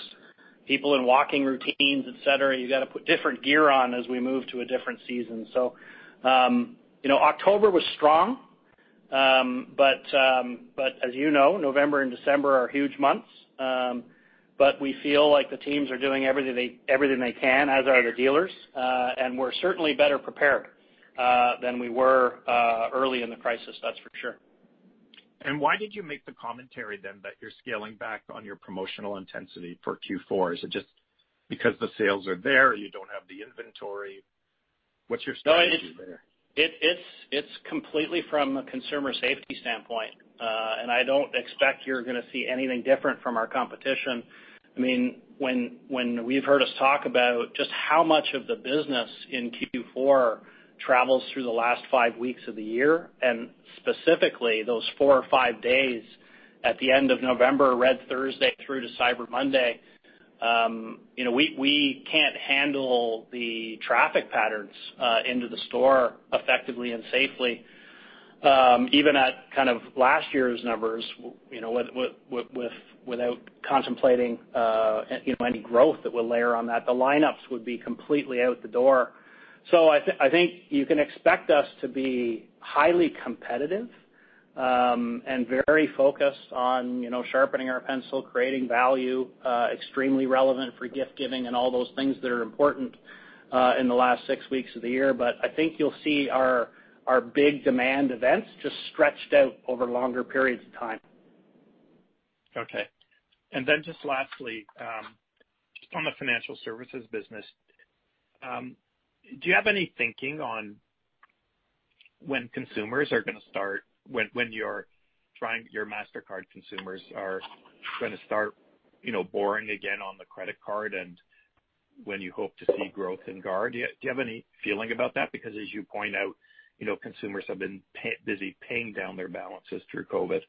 people in walking routines, et cetera. You got to put different gear on as we move to a different season. So, you know, October was strong, but as you know, November and December are huge months. But we feel like the teams are doing everything they, everything they can, as are the dealers, and we're certainly better prepared than we were early in the crisis, that's for sure. Why did you make the commentary then that you're scaling back on your promotional intensity for Q4? Is it just because the sales are there, you don't have the inventory? What's your strategy there? No, it's completely from a consumer safety standpoint, and I don't expect you're gonna see anything different from our competition. I mean, when we've heard us talk about just how much of the business in Q4 travels through the last five weeks of the year, and specifically, those four or five days at the end of November, Red Thursday through to Cyber Monday, you know, we can't handle the traffic patterns into the store effectively and safely, even at kind of last year's numbers, you know, without contemplating any growth that will layer on that, the lineups would be completely out the door. So I think you can expect us to be highly competitive, and very focused on, you know, sharpening our pencil, creating value, extremely relevant for gift giving and all those things that are important in the last six weeks of the year. But I think you'll see our big demand events just stretched out over longer periods of time. Okay. And then just lastly, on the financial services business, do you have any thinking on when consumers are gonna start... When your MasterCard consumers are gonna start, you know, borrowing again on the credit card and when you hope to see growth in card? Do you have any feeling about that? Because as you point out, you know, consumers have been busy paying down their balances through COVID.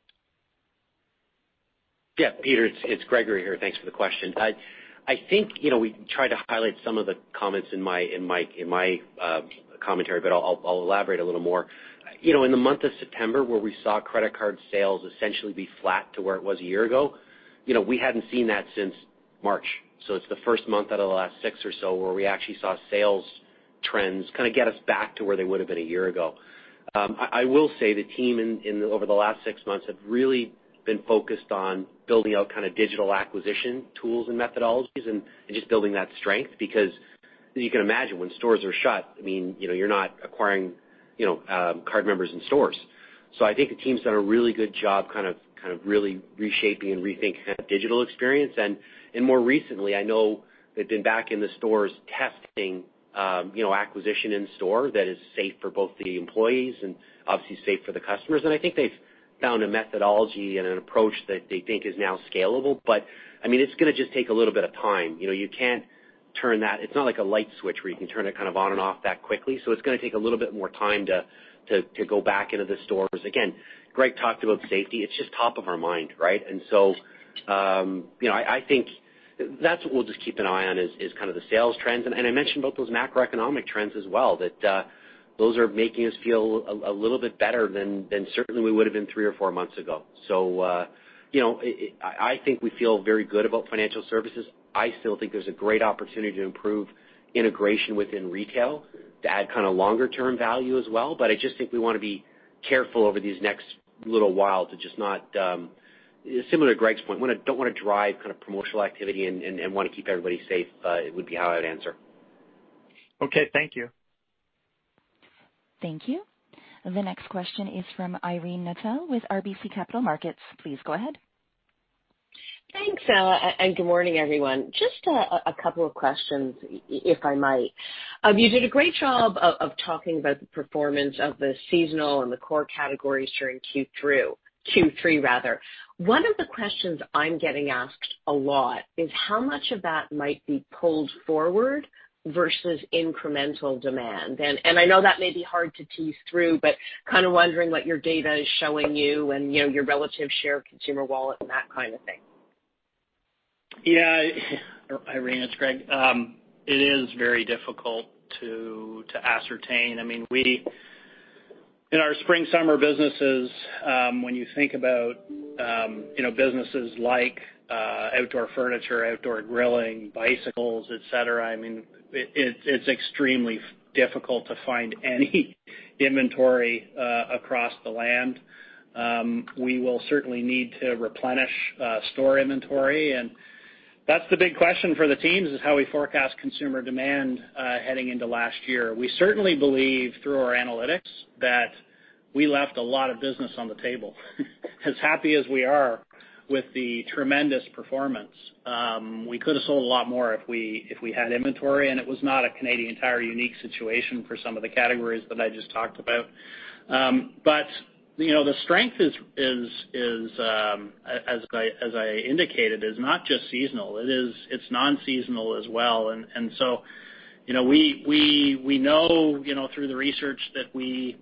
Yeah, Peter, it's Gregory here. Thanks for the question. I think, you know, we tried to highlight some of the comments in my commentary, but I'll elaborate a little more. You know, in the month of September, where we saw credit card sales essentially be flat to where it was a year ago, you know, we hadn't seen that since March. So it's the first month out of the last six or so where we actually saw sales trends kind of get us back to where they would have been a year ago. I will say, the team over the last 6 months have really been focused on building out kind of digital acquisition tools and methodologies and just building that strength, because you can imagine when stores are shut, I mean, you know, you're not acquiring, you know, card members in stores. So I think the team's done a really good job kind of really reshaping and rethinking that digital experience. And more recently, I know they've been back in the stores testing, you know, acquisition in store that is safe for both the employees and obviously safe for the customers. And I think they've found a methodology and an approach that they think is now scalable. But, I mean, it's gonna just take a little bit of time. You know, you can't turn that... It's not like a light switch where you can turn it kind of on and off that quickly. So it's gonna take a little bit more time to go back into the stores. Again, Greg talked about safety. It's just top of our mind, right? And so, you know, I think that's what we'll just keep an eye on is kind of the sales trends. And I mentioned about those macroeconomic trends as well, that those are making us feel a little bit better than certainly we would have been three or four months ago. So, you know, I think we feel very good about financial services. I still think there's a great opportunity to improve integration within retail, to add kind of longer term value as well. But I just think we want to be careful over these next little while to just not, similar to Greg's point, we don't want to drive kind of promotional activity and, and want to keep everybody safe, would be how I would answer. Okay. Thank you. Thank you. The next question is from Irene Nattel with RBC Capital Markets. Please go ahead. Thanks, Ella, and good morning, everyone. Just a couple of questions, if I might. You did a great job of talking about the performance of the seasonal and the core categories during Q3, Q3, rather. One of the questions I'm getting asked a lot is how much of that might be pulled forward versus incremental demand? And I know that may be hard to tease through, but kind of wondering what your data is showing you and, you know, your relative share of consumer wallet and that kind of thing. Yeah, Irene, it's Greg. It is very difficult to, to ascertain. I mean, we - in our spring, summer businesses, when you think about, you know, businesses like outdoor furniture, outdoor grilling, bicycles, et cetera, I mean, it, it's, it's extremely difficult to find any -... Inventory across the land. We will certainly need to replenish store inventory, and that's the big question for the teams, is how we forecast consumer demand heading into last year. We certainly believe, through our analytics, that we left a lot of business on the table. As happy as we are with the tremendous performance, we could have sold a lot more if we had inventory, and it was not a Canadian Tire unique situation for some of the categories that I just talked about. But you know, the strength is, as I indicated, is not just seasonal. It is it's non-seasonal as well. So, you know, we know, you know, through the research that we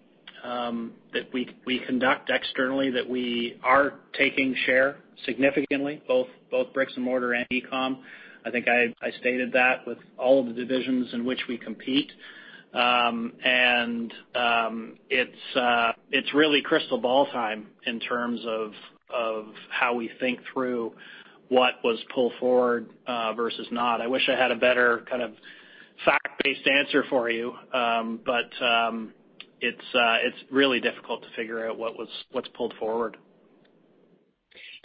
conduct externally, that we are taking share significantly, both bricks and mortar and e-com. I think I stated that with all of the divisions in which we compete. It's really crystal ball time in terms of how we think through what was pulled forward versus not. I wish I had a better kind of fact-based answer for you, but it's really difficult to figure out what was pulled forward.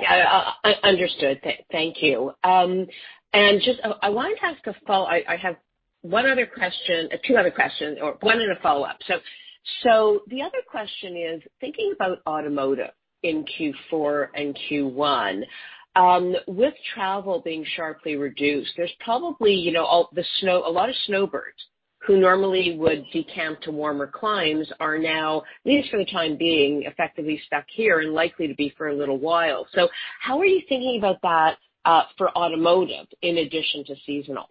Yeah, understood. Thank you. And just, I wanted to ask a follow-up. I have one other question, two other questions or one and a follow-up. So, the other question is, thinking about automotive in Q4 and Q1, with travel being sharply reduced, there's probably, you know, a lot of snowbirds who normally would decamp to warmer climes are now, at least for the time being, effectively stuck here and likely to be for a little while. So how are you thinking about that, for automotive in addition to seasonal?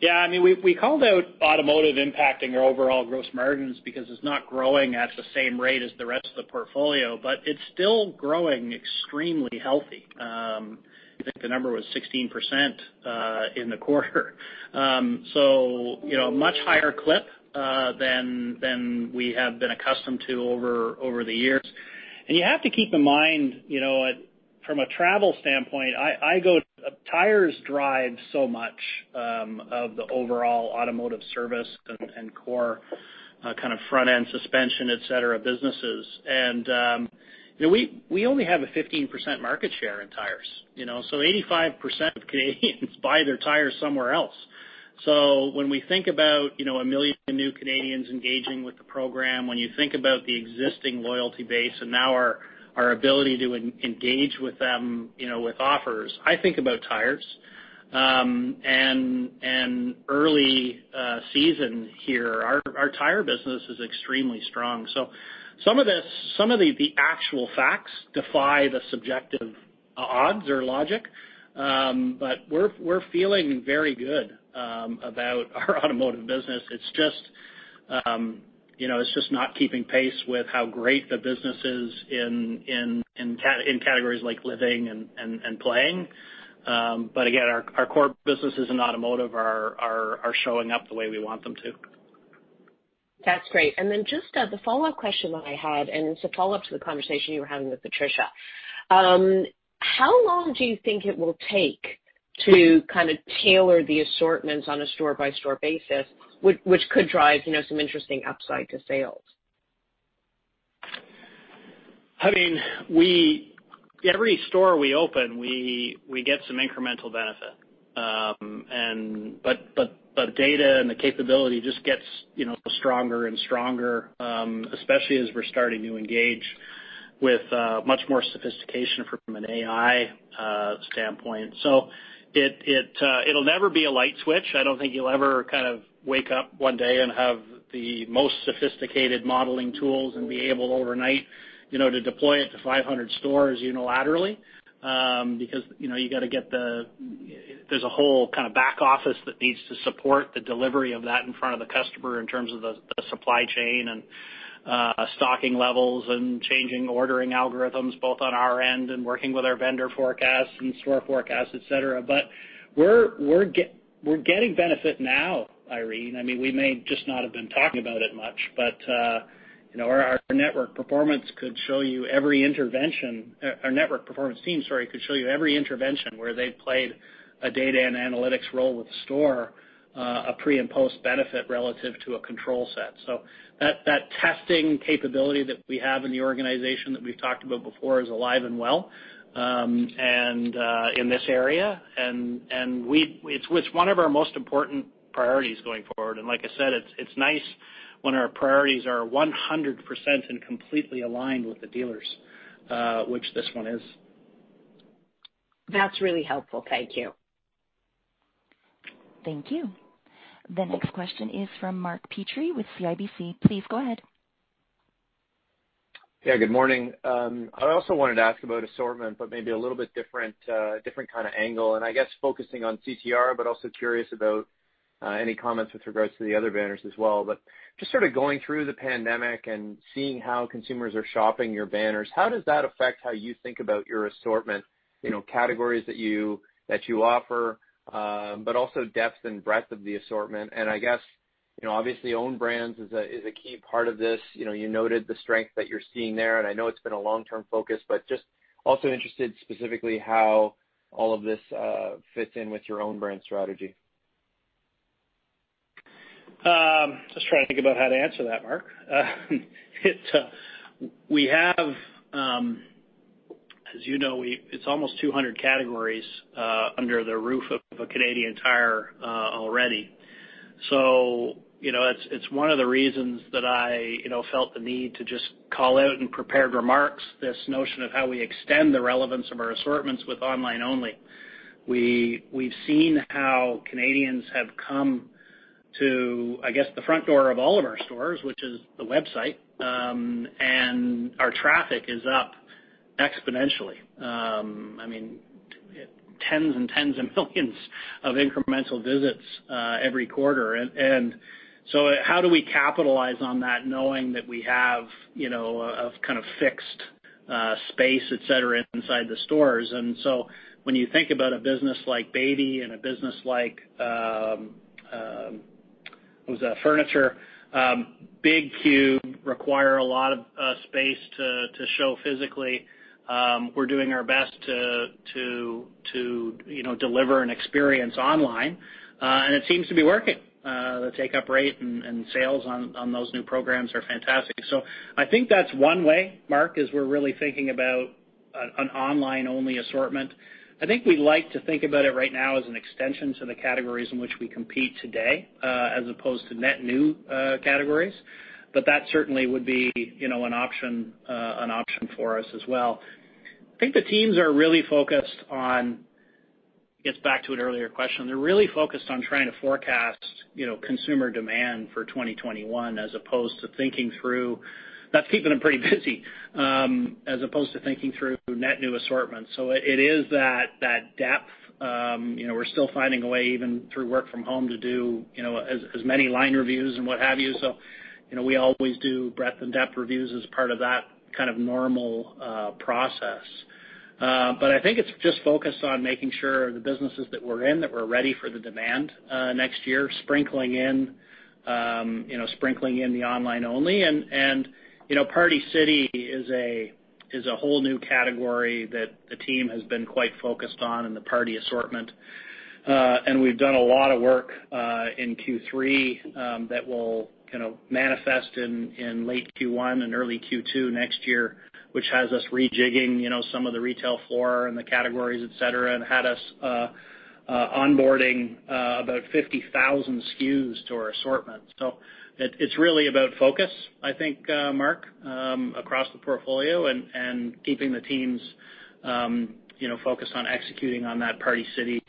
Yeah, I mean, we called out automotive impacting our overall gross margins because it's not growing at the same rate as the rest of the portfolio, but it's still growing extremely healthy. I think the number was 16% in the quarter. So, you know, a much higher clip than we have been accustomed to over the years. And you have to keep in mind, you know, from a travel standpoint, tires drive so much of the overall automotive service and core kind of front-end suspension, et cetera, businesses. And, you know, we only have a 15% market share in tires, you know, so 85% of Canadians buy their tires somewhere else. So when we think about, you know, 1 million new Canadians engaging with the program, when you think about the existing loyalty base and now our ability to engage with them, you know, with offers, I think about tires. And early season here, our tire business is extremely strong. So some of this, some of the actual facts defy the subjective odds or logic. But we're feeling very good about our automotive business. It's just, you know, it's just not keeping pace with how great the business is in categories like living and playing. But again, our core businesses in automotive are showing up the way we want them to. That's great. And then just, the follow-up question that I had, and it's a follow-up to the conversation you were having with Patricia. How long do you think it will take to kind of tailor the assortments on a store-by-store basis, which could drive, you know, some interesting upside to sales? I mean, every store we open, we get some incremental benefit. But data and the capability just gets, you know, stronger and stronger, especially as we're starting to engage with much more sophistication from an AI standpoint. So it'll never be a light switch. I don't think you'll ever kind of wake up one day and have the most sophisticated modeling tools and be able overnight, you know, to deploy it to 500 stores unilaterally. Because, you know, you gotta get the... There's a whole kind of back office that needs to support the delivery of that in front of the customer in terms of the supply chain and stocking levels and changing ordering algorithms, both on our end and working with our vendor forecasts and store forecasts, et cetera. But we're getting benefit now, Irene. I mean, we may just not have been talking about it much, but you know, our network performance team, sorry, could show you every intervention where they played a data and analytics role with store, a pre- and post-benefit relative to a control set. So that testing capability that we have in the organization that we've talked about before is alive and well, and in this area, and it's one of our most important priorities going forward. And like I said, it's nice when our priorities are 100% and completely aligned with the dealers, which this one is. That's really helpful. Thank you. Thank you. The next question is from Mark Petrie with CIBC. Please go ahead. Yeah, good morning. I also wanted to ask about assortment, but maybe a little bit different, different kind of angle, and I guess focusing on CTR, but also curious about, any comments with regards to the other banners as well. But just sort of going through the pandemic and seeing how consumers are shopping your banners, how does that affect how you think about your assortment? You know, categories that you, that you offer, but also depth and breadth of the assortment. And I guess, you know, obviously, own brands is a, is a key part of this. You know, you noted the strength that you're seeing there, and I know it's been a long-term focus, but just also interested specifically how all of this fits in with your own brand strategy? Just trying to think about how to answer that, Mark. It, we have, as you know, it's almost 200 categories, under the roof of a Canadian Tire, already. So, you know, it's one of the reasons that I, you know, felt the need to just call out in prepared remarks, this notion of how we extend the relevance of our assortments with online only. We've seen how Canadians have come to, I guess, the front door of all of our stores, which is the website, and our traffic is up exponentially. I mean, tens and tens of millions of incremental visits, every quarter. So how do we capitalize on that, knowing that we have, you know, a kind of fixed space, et cetera, inside the stores? And so when you think about a business like baby and a business like, what was that? Furniture, big cube require a lot of space to, you know, deliver an experience online, and it seems to be working. The take-up rate and sales on those new programs are fantastic. So I think that's one way, Mark, is we're really thinking about an online-only assortment. I think we'd like to think about it right now as an extension to the categories in which we compete today, as opposed to net new categories. But that certainly would be, you know, an option, an option for us as well. I think the teams are really focused on... Gets back to an earlier question. They're really focused on trying to forecast, you know, consumer demand for 2021, as opposed to thinking through. That's keeping them pretty busy, as opposed to thinking through net new assortments. So it, it is that, that depth. You know, we're still finding a way, even through work from home, to do, you know, as, as many line reviews and what have you. So, you know, we always do breadth and depth reviews as part of that kind of normal process. But I think it's just focused on making sure the businesses that we're in, that we're ready for the demand next year, sprinkling in, you know, sprinkling in the online only. And, and, you know, Party City is a, is a whole new category that the team has been quite focused on in the party assortment. And we've done a lot of work in Q3 that will kind of manifest in late Q1 and early Q2 next year, which has us rejigging, you know, some of the retail floor and the categories, et cetera, and had us onboarding about 50,000 SKUs to our assortment. So it's really about focus, I think, Mark, across the portfolio and keeping the teams, you know, focused on executing on that Party City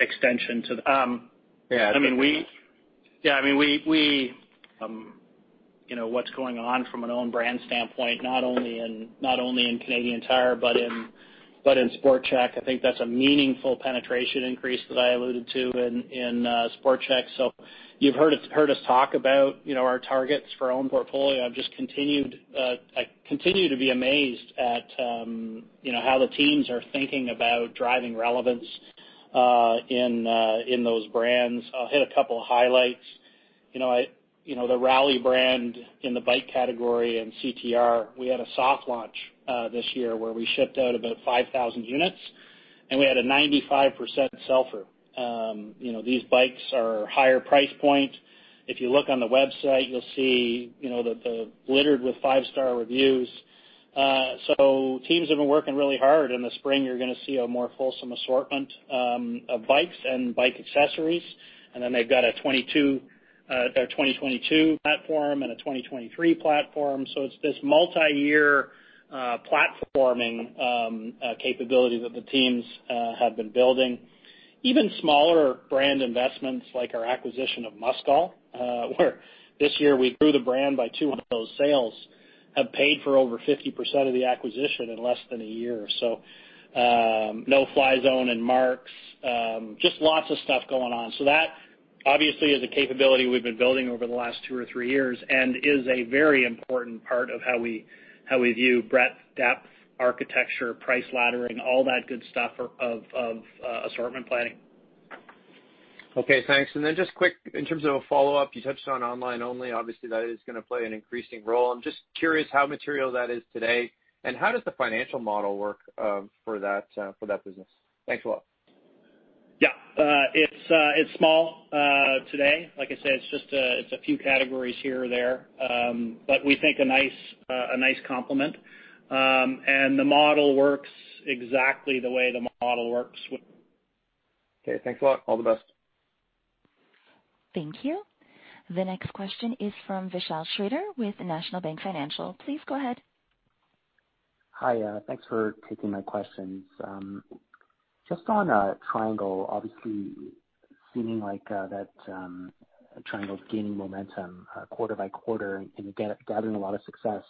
extension to the- Yeah. I mean, yeah, I mean, we, you know, what's going on from an own brand standpoint, not only in Canadian Tire, but in Sport Chek, I think that's a meaningful penetration increase that I alluded to in Sport Chek. So you've heard us talk about, you know, our targets for our own portfolio. I've just continued, I continue to be amazed at, you know, how the teams are thinking about driving relevance in those brands. I'll hit a couple of highlights. You know, the Rally brand in the bike category and CTR, we had a soft launch this year where we shipped out about 5,000 units, and we had a 95% sell-through. You know, these bikes are higher price point. If you look on the website, you'll see, you know, the littered with five-star reviews. So teams have been working really hard. In the spring, you're gonna see a more fulsome assortment of bikes and bike accessories. And then they've got a 2022 platform and a 2023 platform. So it's this multiyear platforming capability that the teams have been building. Even smaller brand investments, like our acquisition of Muskol, where this year, we grew the brand by 200. Those sales have paid for over 50% of the acquisition in less than a year. So, No Fly Zone and Mark's, just lots of stuff going on. So that, obviously, is a capability we've been building over the last 2 or 3 years and is a very important part of how we view breadth, depth, architecture, price laddering, all that good stuff of assortment planning. Okay, thanks. Then just quick, in terms of a follow-up, you touched on online only. Obviously, that is gonna play an increasing role. I'm just curious how material that is today, and how does the financial model work for that business? Thanks a lot. Yeah. It's small today. Like I said, it's just a few categories here or there, but we think a nice complement. And the model works exactly the way the model works with- Okay, thanks a lot. All the best. Thank you. The next question is from Vishal Shreedhar with National Bank Financial. Please go ahead. Hi, thanks for taking my questions. Just on Triangle, obviously seeming like that Triangle's gaining momentum quarter by quarter, and you're gathering a lot of success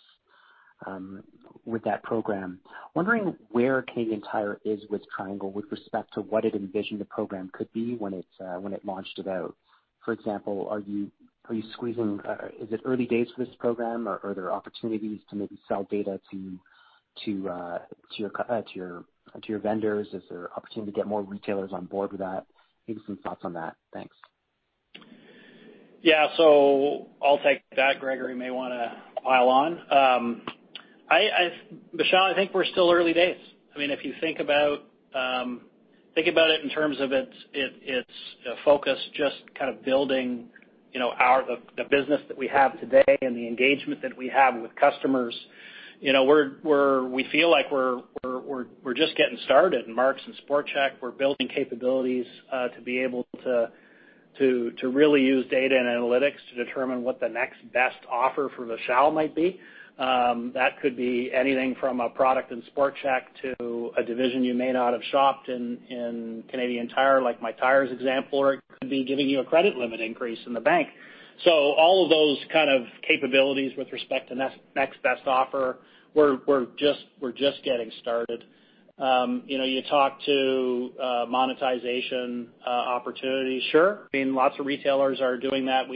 with that program. Wondering where Canadian Tire is with Triangle with respect to what it envisioned the program could be when it launched about. For example, are you squeezing? Is it early days for this program, or are there opportunities to maybe sell data to your vendors? Is there an opportunity to get more retailers on board with that? Give me some thoughts on that. Thanks.... Yeah, so I'll take that. Gregory may wanna pile on. Vishal, I think we're still early days. I mean, if you think about it in terms of its focus, just kind of building, you know, our business that we have today and the engagement that we have with customers. You know, we feel like we're just getting started. In Mark's and Sport Chek, we're building capabilities to really use data and analytics to determine what the next best offer for Vishal might be. That could be anything from a product in Sport Chek to a division you may not have shopped in, in Canadian Tire, like my tires example, or it could be giving you a credit limit increase in the bank. So all of those kind of capabilities with respect to next best offer, we're just getting started. You know, you talk to monetization opportunities. Sure, I mean, lots of retailers are doing that.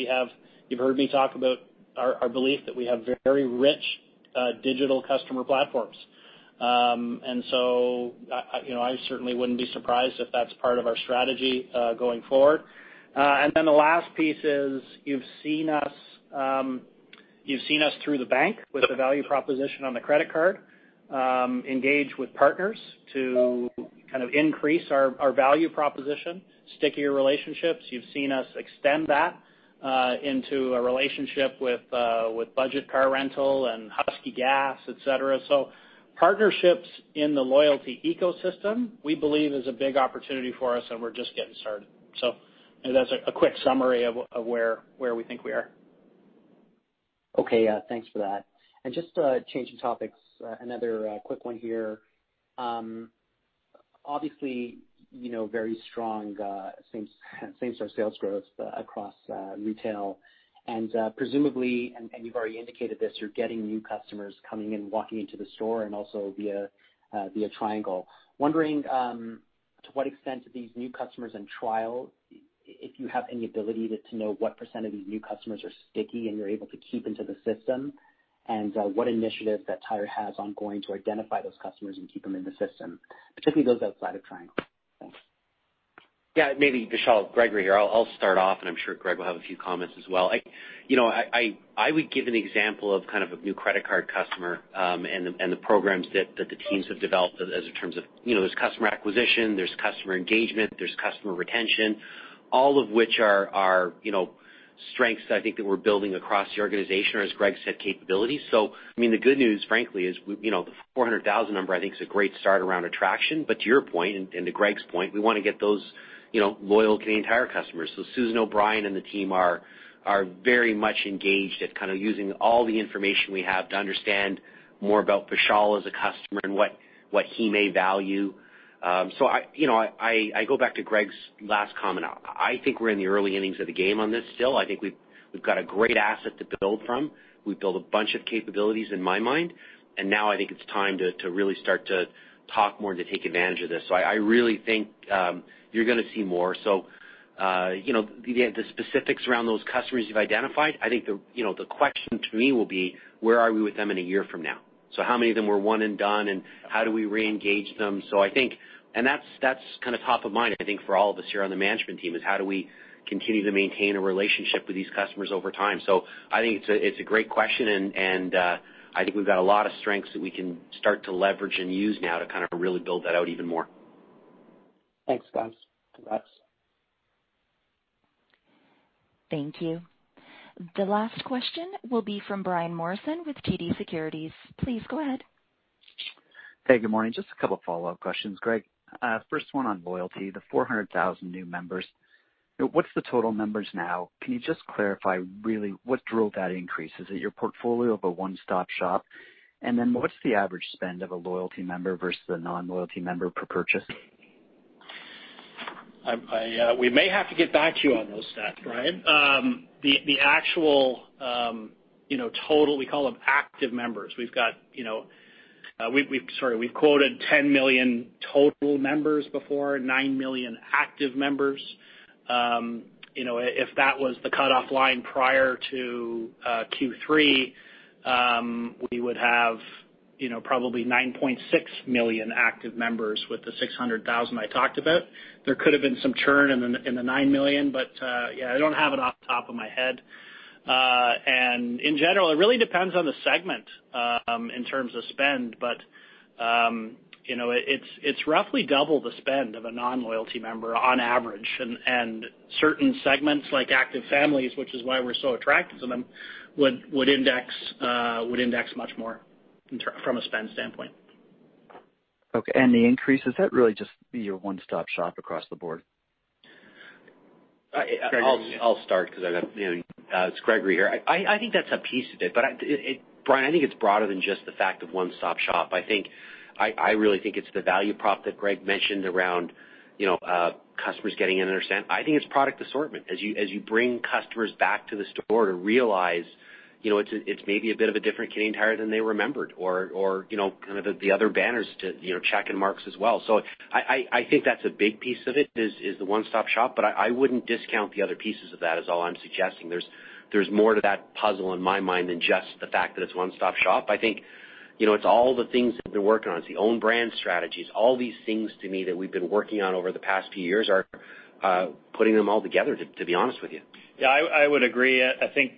You've heard me talk about our belief that we have very rich digital customer platforms. So, you know, I certainly wouldn't be surprised if that's part of our strategy going forward. Then the last piece is, you've seen us through the bank with the value proposition on the credit card, engage with partners to kind of increase our value proposition, stickier relationships. You've seen us extend that into a relationship with Budget Car Rental and Husky Gas, et cetera. So partnerships in the loyalty ecosystem, we believe is a big opportunity for us, and we're just getting started. So that's a quick summary of where we think we are. Okay. Yeah, thanks for that. And just to changing topics, another quick one here. Obviously, you know, very strong same store sales growth across retail, and presumably, and you've already indicated this, you're getting new customers coming in, walking into the store and also via Triangle. Wondering to what extent these new customers in trial if you have any ability to know what % of these new customers are sticky, and you're able to keep into the system? And what initiative that Tire has ongoing to identify those customers and keep them in the system, particularly those outside of Triangle? Thanks. Yeah, maybe Vishal, Gregory here. I'll start off, and I'm sure Greg will have a few comments as well. I, you know, I would give an example of kind of a new credit card customer, and the programs that the teams have developed as in terms of, you know, there's customer acquisition, there's customer engagement, there's customer retention, all of which are, you know, strengths, I think, that we're building across the organization, or as Greg said, capabilities. So, I mean, the good news, frankly, is we, you know, the 400,000 number, I think, is a great start around attraction. But to your point and to Greg's point, we wanna get those, you know, loyal Canadian Tire customers. So Susan O'Brien and the team are very much engaged at kind of using all the information we have to understand more about Vishal as a customer and what he may value. So you know I go back to Greg's last comment. I think we're in the early innings of the game on this still. I think we've got a great asset to build from. We've built a bunch of capabilities in my mind, and now I think it's time to really start to talk more and to take advantage of this. So I really think you're gonna see more. So you know the specifics around those customers you've identified, I think the question to me will be: Where are we with them in a year from now? So how many of them were one and done, and how do we reengage them? So I think... And that's, that's kind of top of mind, I think, for all of us here on the management team, is how do we continue to maintain a relationship with these customers over time? So I think it's a, it's a great question, and, and, I think we've got a lot of strengths that we can start to leverage and use now to kind of really build that out even more. Thanks, guys. Congrats. Thank you. The last question will be from Brian Morrison with TD Securities. Please go ahead. Hey, good morning. Just a couple follow-up questions, Greg. First one on loyalty, the 400,000 new members. What's the total members now? Can you just clarify, really, what drove that increase? Is it your portfolio of a one-stop shop? And then, what's the average spend of a loyalty member versus a non-loyalty member per purchase? We may have to get back to you on those stats, Brian. The actual, you know, total, we call them active members. We've got, you know, we've quoted 10 million total members before, 9 million active members. You know, if that was the cutoff line prior to Q3, we would have, you know, probably 9.6 million active members with the 600,000 I talked about. There could have been some churn in the, in the 9 million, but yeah, I don't have it off the top of my head. And in general, it really depends on the segment, in terms of spend. But you know, it's roughly double the spend of a non-loyalty member on average. And certain segments, like active families, which is why we're so attractive to them, would index much more in terms from a spend standpoint. Okay, and the increase, is that really just your one-stop shop across the board? I'll start because I got, you know, it's Gregory here. I think that's a piece of it, but it, Brian, I think it's broader than just the fact of one-stop shop. I think, I really think it's the value prop that Greg mentioned around, you know, customers getting an understanding. I think it's product assortment. As you, as you bring customers back to the store to realize, you know, it's, it's maybe a bit of a different Canadian Tire than they remembered or, or, you know, kind of the other banners to, you know, Sport Chek and Mark's as well. So I, I think that's a big piece of it, is the one-stop shop, but I wouldn't discount the other pieces of that, is all I'm suggesting. There's... There's more to that puzzle in my mind than just the fact that it's one-stop shop. I think, you know, it's all the things that they're working on. It's the own brand strategies. All these things, to me, that we've been working on over the past few years are putting them all together, to be honest with you. Yeah, I would agree. I think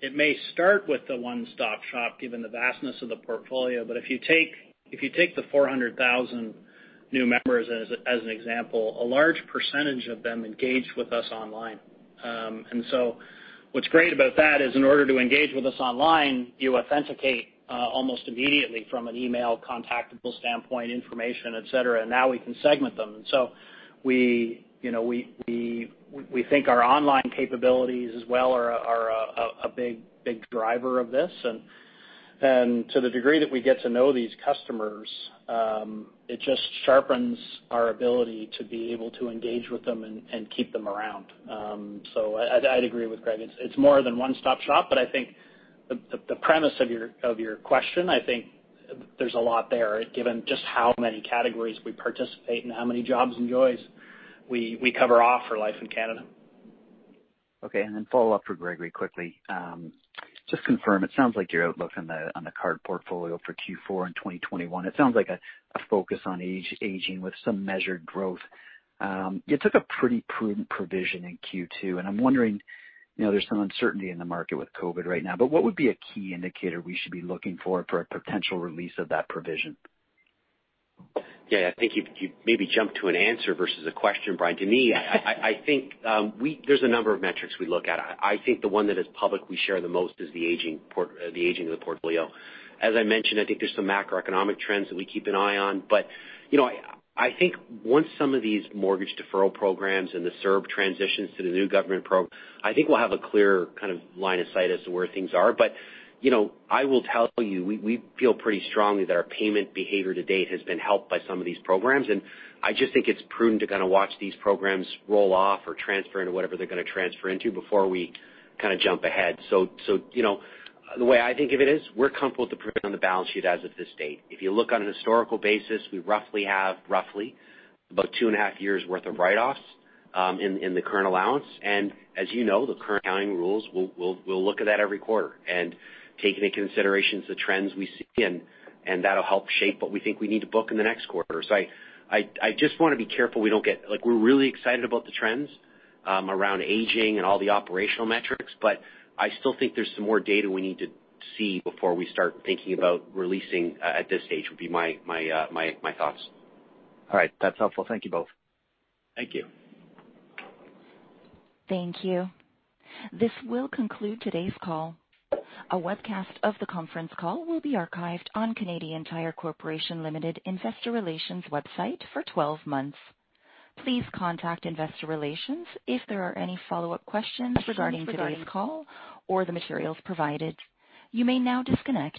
it may start with the one-stop shop, given the vastness of the portfolio, but if you take the 400,000 new members as an example, a large percentage of them engaged with us online. And so what's great about that is in order to engage with us online, you authenticate almost immediately from an email, contactable standpoint, information, et cetera, and now we can segment them. And so we, you know, think our online capabilities as well are a big driver of this. And to the degree that we get to know these customers, it just sharpens our ability to engage with them and keep them around. So I'd agree with Greg. It's more than one-stop shop, but I think the premise of your question, I think there's a lot there, given just how many categories we participate and how many jobs and joys we cover off for life in Canada. Okay, and then follow up for Gregory quickly. Just confirm, it sounds like your outlook on the, on the card portfolio for Q4 in 2021, it sounds like a focus on aging with some measured growth. You took a pretty prudent provision in Q2, and I'm wondering, you know, there's some uncertainty in the market with COVID right now, but what would be a key indicator we should be looking for, for a potential release of that provision? Yeah, I think you maybe jumped to an answer versus a question, Brian. To me, I think there's a number of metrics we look at. I think the one that is public we share the most is the aging of the portfolio. As I mentioned, I think there's some macroeconomic trends that we keep an eye on, but, you know, I think once some of these mortgage deferral programs and the CERB transitions to the new government program, I think we'll have a clearer kind of line of sight as to where things are. But, you know, I will tell you, we feel pretty strongly that our payment behavior to date has been helped by some of these programs, and I just think it's prudent to kind of watch these programs roll off or transfer into whatever they're gonna transfer into before we kind of jump ahead. So, you know, the way I think of it is, we're comfortable to predict on the balance sheet as of this date. If you look on a historical basis, we roughly have, roughly, about 2.5 years' worth of write-offs in the current allowance. And as you know, the current accounting rules, we'll look at that every quarter and take into considerations the trends we see, and that'll help shape what we think we need to book in the next quarter. So I just wanna be careful we don't get, like, we're really excited about the trends around aging and all the operational metrics, but I still think there's some more data we need to see before we start thinking about releasing at this stage. Would be my thoughts. All right. That's helpful. Thank you both. Thank you. Thank you. This will conclude today's call. A webcast of the conference call will be archived on Canadian Tire Corporation Limited Investor Relations website for 12 months. Please contact Investor Relations if there are any follow-up questions regarding today's call or the materials provided. You may now disconnect.